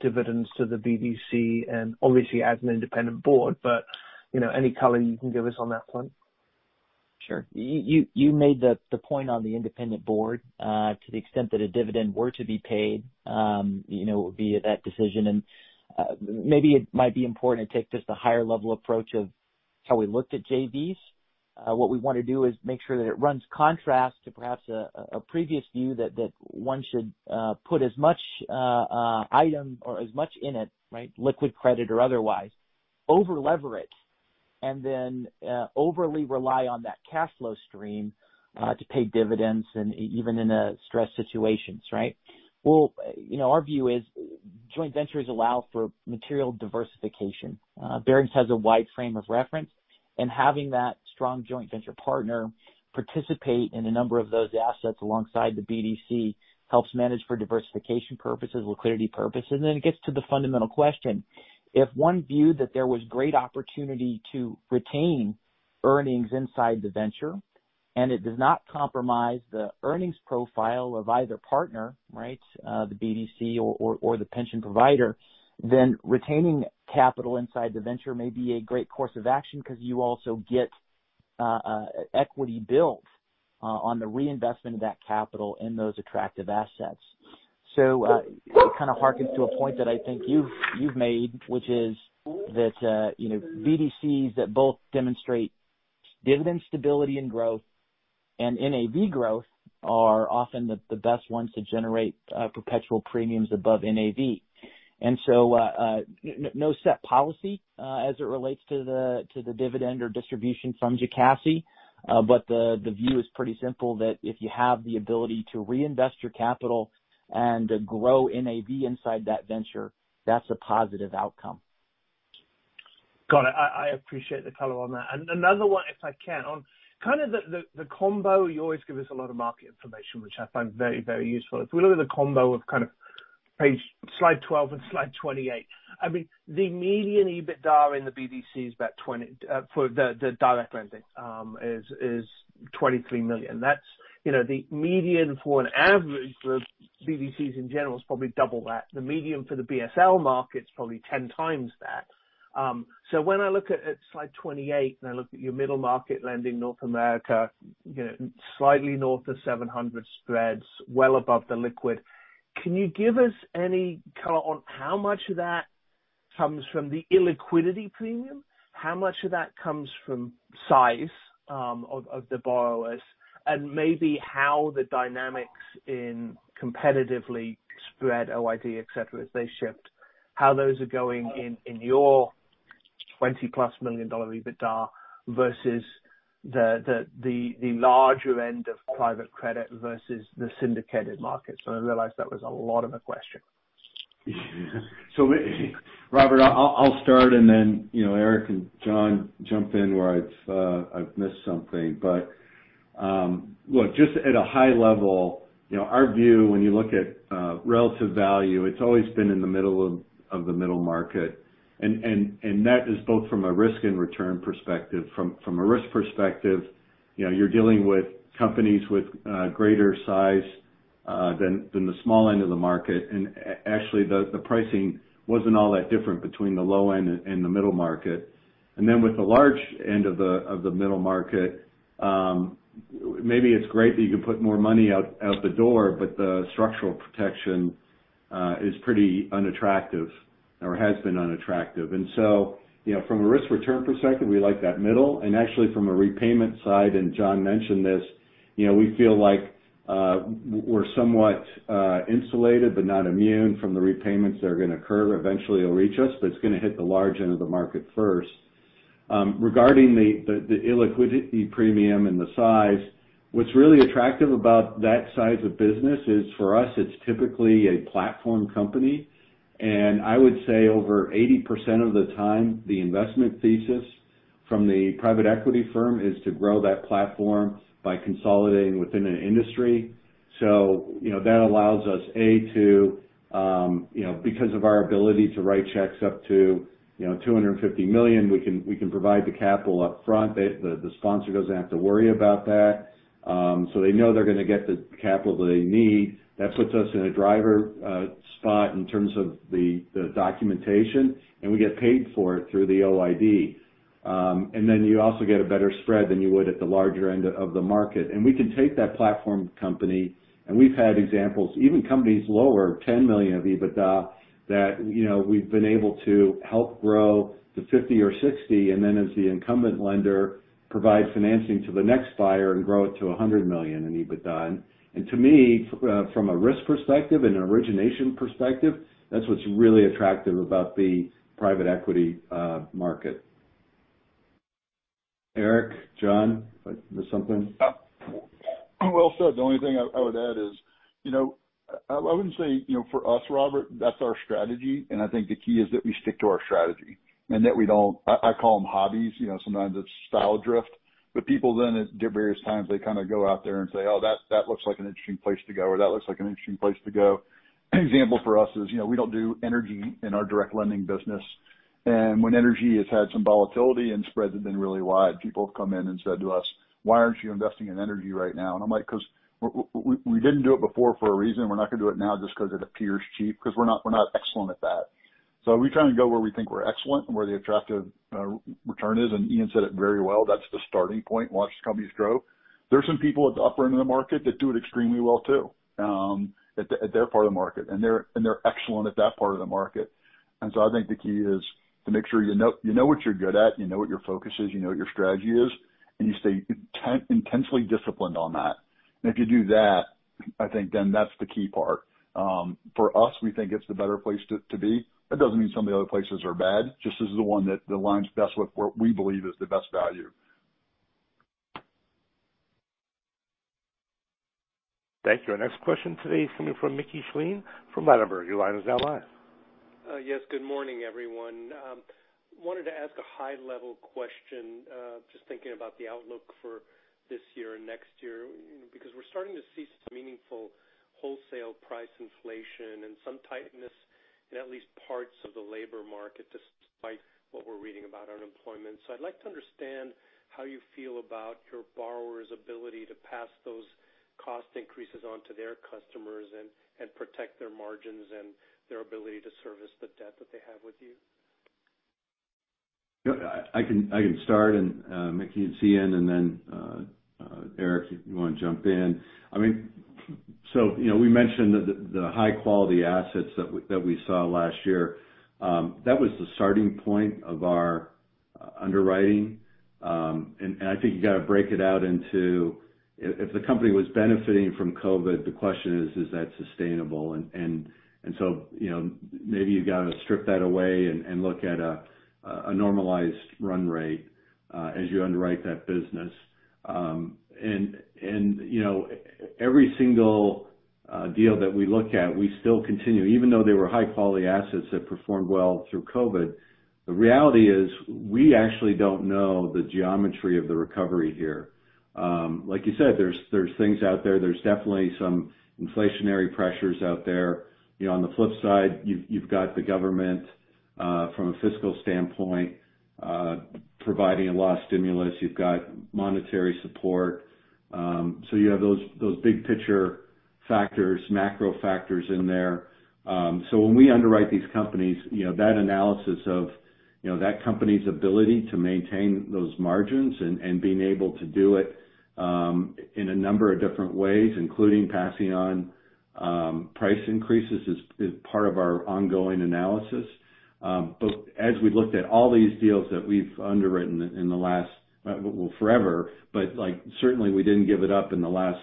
dividends to the BDC and obviously as an independent board, but any color you can give us on that front? Sure. You made the point on the independent board. To the extent that a dividend were to be paid, it would be at that decision. Maybe it might be important to take just a higher-level approach of how we looked at JVs. What we want to do is make sure that it runs contrast to perhaps a previous view that one should put as much item or as much in it, liquid credit or otherwise, over-leverage, and then overly rely on that cash flow stream to pay dividends and even in stress situations, right? Well, our view is joint ventures allow for material diversification. Barings has a wide frame of reference and having that strong joint venture partner participate in a number of those assets alongside the BDC helps manage for diversification purposes, liquidity purposes. Then it gets to the fundamental question. If one viewed that there was great opportunity to retain earnings inside the venture, and it does not compromise the earnings profile of either partner, the BDC or the pension provider, then retaining capital inside the venture may be a great course of action because you also get equity build on the reinvestment of that capital in those attractive assets. It kind of harkens to a point that I think you've made, which is that BDCs that both demonstrate dividend stability and growth and NAV growth are often the best ones to generate perpetual premiums above NAV. No set policy as it relates to the dividend or distribution from Jocassee. The view is pretty simple, that if you have the ability to reinvest your capital and grow NAV inside that venture, that's a positive outcome. Got it. I appreciate the color on that. Another one, if I can. On kind of the combo, you always give us a lot of market information, which I find very, very useful. If we look at the combo of slide 12 and slide 28. The median EBITDA in the BDC is about $20 million. For the direct lending is $23 million. The median for an average for BDCs in general is probably double that. The median for the BSL market is probably 10x that. When I look at slide 28, and I look at your middle market lending North America, slightly north of 700 spreads, well above the liquid. Can you give us any color on how much of that comes from the illiquidity premium? How much of that comes from size of the borrowers? Maybe how the dynamics in competitively spread OID, et cetera, as they shift. How those are going in your $20+ million EBITDA versus the larger end of private credit versus the syndicated markets. I realize that was a lot of a question. Robert, I'll start and then, Eric and John, jump in where I've missed something. Look, just at a high level, our view when you look at relative value, it's always been in the middle of the middle market. That is both from a risk and return perspective. From a risk perspective, you're dealing with companies with greater size than the small end of the market. Actually, the pricing wasn't all that different between the low end and the middle market. With the large end of the middle market, maybe it's great that you can put more money out the door, but the structural protection is pretty unattractive or has been unattractive. From a risk-return perspective, we like that middle. Actually, from a repayment side, and John mentioned this, we feel like we're somewhat insulated but not immune from the repayments that are going to occur. Eventually, it'll reach us, but it's going to hit the large end of the market first. Regarding the illiquidity premium and the size, what's really attractive about that size of business is, for us, it's typically a platform company. I would say over 80% of the time, the investment thesis from the private equity firm is to grow that platform by consolidating within an industry. That allows us, A, to because of our ability to write checks up to $250 million, we can provide the capital up front. The sponsor doesn't have to worry about that. They know they're going to get the capital that they need. That puts us in a driver spot in terms of the documentation, and we get paid for it through the OID. You also get a better spread than you would at the larger end of the market. We can take that platform company, and we've had examples, even companies lower, $10 million of EBITDA, that we've been able to help grow to $50 million or $60 million. As the incumbent lender provides financing to the next buyer and grow it to $100 million in EBITDA. To me, from a risk perspective and an origination perspective, that's what's really attractive about the private equity market. Eric, John, you missed something? Well said. The only thing I would add is, I wouldn't say for us, Robert, that's our strategy. I think the key is that we stick to our strategy and that we don't. I call them hobbies. Sometimes it's style drift. People then at various times, they kind of go out there and say, "Oh, that looks like an interesting place to go," or, "That looks like an interesting place to go." An example for us is, we don't do energy in our direct lending business. When energy has had some volatility and spreads have been really wide, people have come in and said to us, "Why aren't you investing in energy right now?" I'm like, "Because we didn't do it before for a reason. We're not going to do it now just because it appears cheap, because we're not excellent at that. We try and go where we think we're excellent and where the attractive return is. Ian said it very well. That's the starting point. Watch the companies grow. There's some people at the upper end of the market that do it extremely well, too, at their part of the market. They're excellent at that part of the market. I think the key is to make sure you know what you're good at, you know what your focus is, you know what your strategy is, and you stay intensely disciplined on that. If you do that, I think then that's the key part. For us, we think it's the better place to be. That doesn't mean some of the other places are bad, just this is the one that aligns best with what we believe is the best value. Thank you. Our next question today is coming from Mickey Schleien from Ladenburg. Your line is now live. Yes, good morning, everyone. I wanted to ask a high-level question, just thinking about the outlook for this year and next year, because we're starting to see some meaningful wholesale price inflation and some tightness in at least parts of the labor market, despite what we're reading about unemployment. I'd like to understand how you feel about your borrowers' ability to pass those cost increases on to their customers and protect their margins and their ability to service the debt that they have with you. I can start. Mickey, it's Ian. Then, Eric, if you want to jump in. We mentioned the high-quality assets that we saw last year. That was the starting point of our underwriting. I think you got to break it out into if the company was benefiting from COVID, the question is, Is that sustainable? Maybe you've got to strip that away and look at a normalized run rate as you underwrite that business. Every single deal that we look at, we still continue even though they were high-quality assets that performed well through COVID, the reality is we actually don't know the geometry of the recovery here. Like you said, there's things out there. There's definitely some inflationary pressures out there. On the flip side, you've got the government from a fiscal standpoint, providing a lot of stimulus. You've got monetary support. You have those big picture factors, macro factors in there. When we underwrite these companies, that analysis of that company's ability to maintain those margins and being able to do it in a number of different ways, including passing on price increases, is part of our ongoing analysis. As we looked at all these deals that we've underwritten in the last, well, forever, but certainly we didn't give it up in the last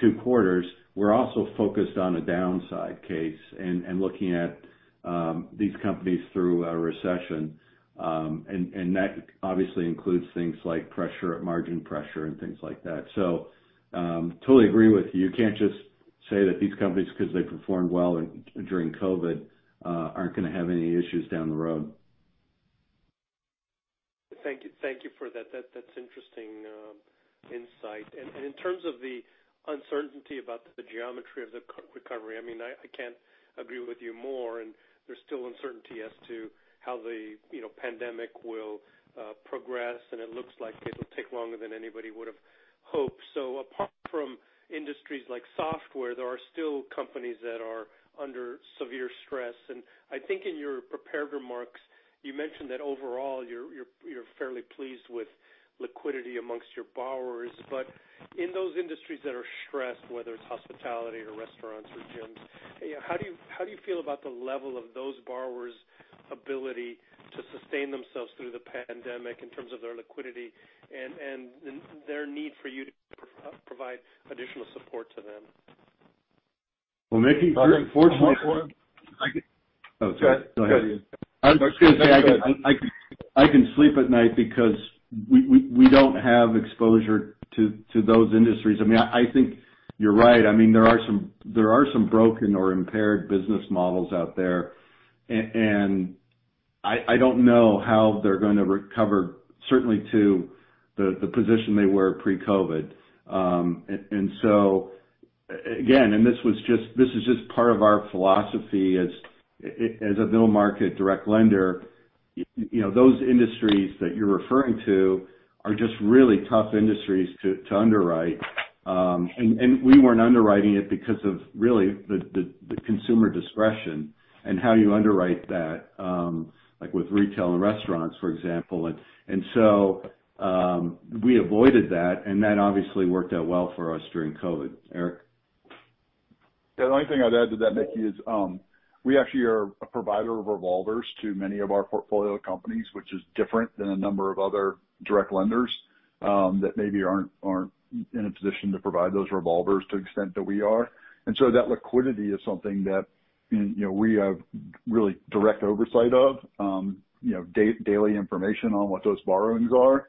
two quarters. We're also focused on a downside case and looking at these companies through a recession. That obviously includes things like pressure, margin pressure, and things like that. Totally agree with you. You can't just say that these companies, because they performed well during COVID, aren't going to have any issues down the road. Thank you for that. That's interesting insight. In terms of the uncertainty about the geometry of the recovery, I can't agree with you more. There's still uncertainty as to how the pandemic will progress, and it looks like it'll take longer than anybody would've hoped. Apart from industries like software, there are still companies that are under severe stress. I think in your prepared remarks, you mentioned that overall, you're fairly pleased with liquidity amongst your borrowers. In those industries that are stressed, whether it's hospitality or restaurants or gyms, how do you feel about the level of those borrowers' ability to sustain themselves through the pandemic in terms of their liquidity and their need for you to provide additional support to them? Well, Mickey. Eric, one more. Oh, sorry. Go ahead. Go ahead. I was going to say, I can sleep at night because we don't have exposure to those industries. I think you're right. There are some broken or impaired business models out there, and I don't know how they're going to recover, certainly to the position they were pre-COVID. Again, this is just part of our philosophy as a middle-market direct lender. Those industries that you're referring to are just really tough industries to underwrite. We weren't underwriting it because of really the consumer discretion and how you underwrite that, like with retail and restaurants, for example. We avoided that, and that obviously worked out well for us during COVID. Eric? The only thing I'd add to that, Mickey, is we actually are a provider of revolvers to many of our portfolio companies, which is different than a number of other direct lenders that maybe aren't in a position to provide those revolvers to the extent that we are. That liquidity is something that we have really direct oversight of, daily information on what those borrowings are.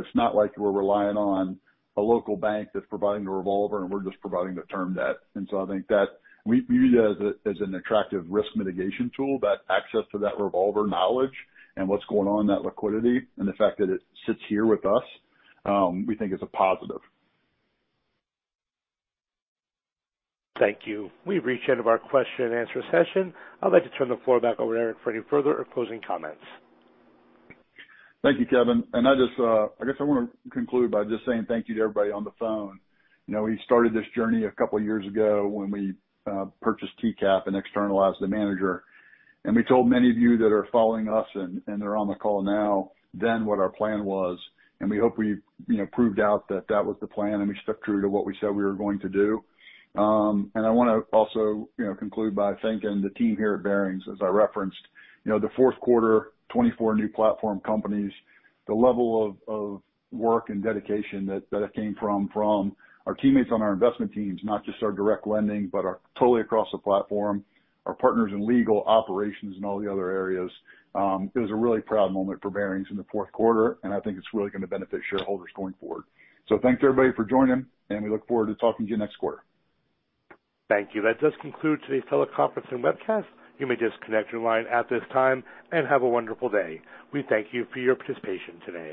It's not like we're relying on a local bank that's providing the revolver, and we're just providing the term debt. I think that we view it as an attractive risk mitigation tool. That access to that revolver knowledge and what's going on in that liquidity, and the fact that it sits here with us, we think is a positive. Thank you. We've reached the end of our question and answer session. I'd like to turn the floor back over to Eric for any further or closing comments. Thank you, Kevin. I guess I want to conclude by just saying thank you to everybody on the phone. We started this journey a couple of years ago when we purchased TCAP and externalized the manager. We told many of you that are following us, and are on the call now, then what our plan was, and we hope we proved out that that was the plan, and we stuck true to what we said we were going to do. I want to also conclude by thanking the team here at Barings. As I referenced, the fourth quarter, 24 new platform companies. The level of work and dedication that came from our teammates on our investment teams, not just our direct lending, but totally across the platform, our partners in legal, operations, and all the other areas. It was a really proud moment for Barings in the fourth quarter, and I think it's really going to benefit shareholders going forward. Thanks, everybody, for joining, and we look forward to talking to you next quarter. Thank you. That does conclude today's teleconference and webcast. You may disconnect your line at this time, and have a wonderful day. We thank you for your participation today.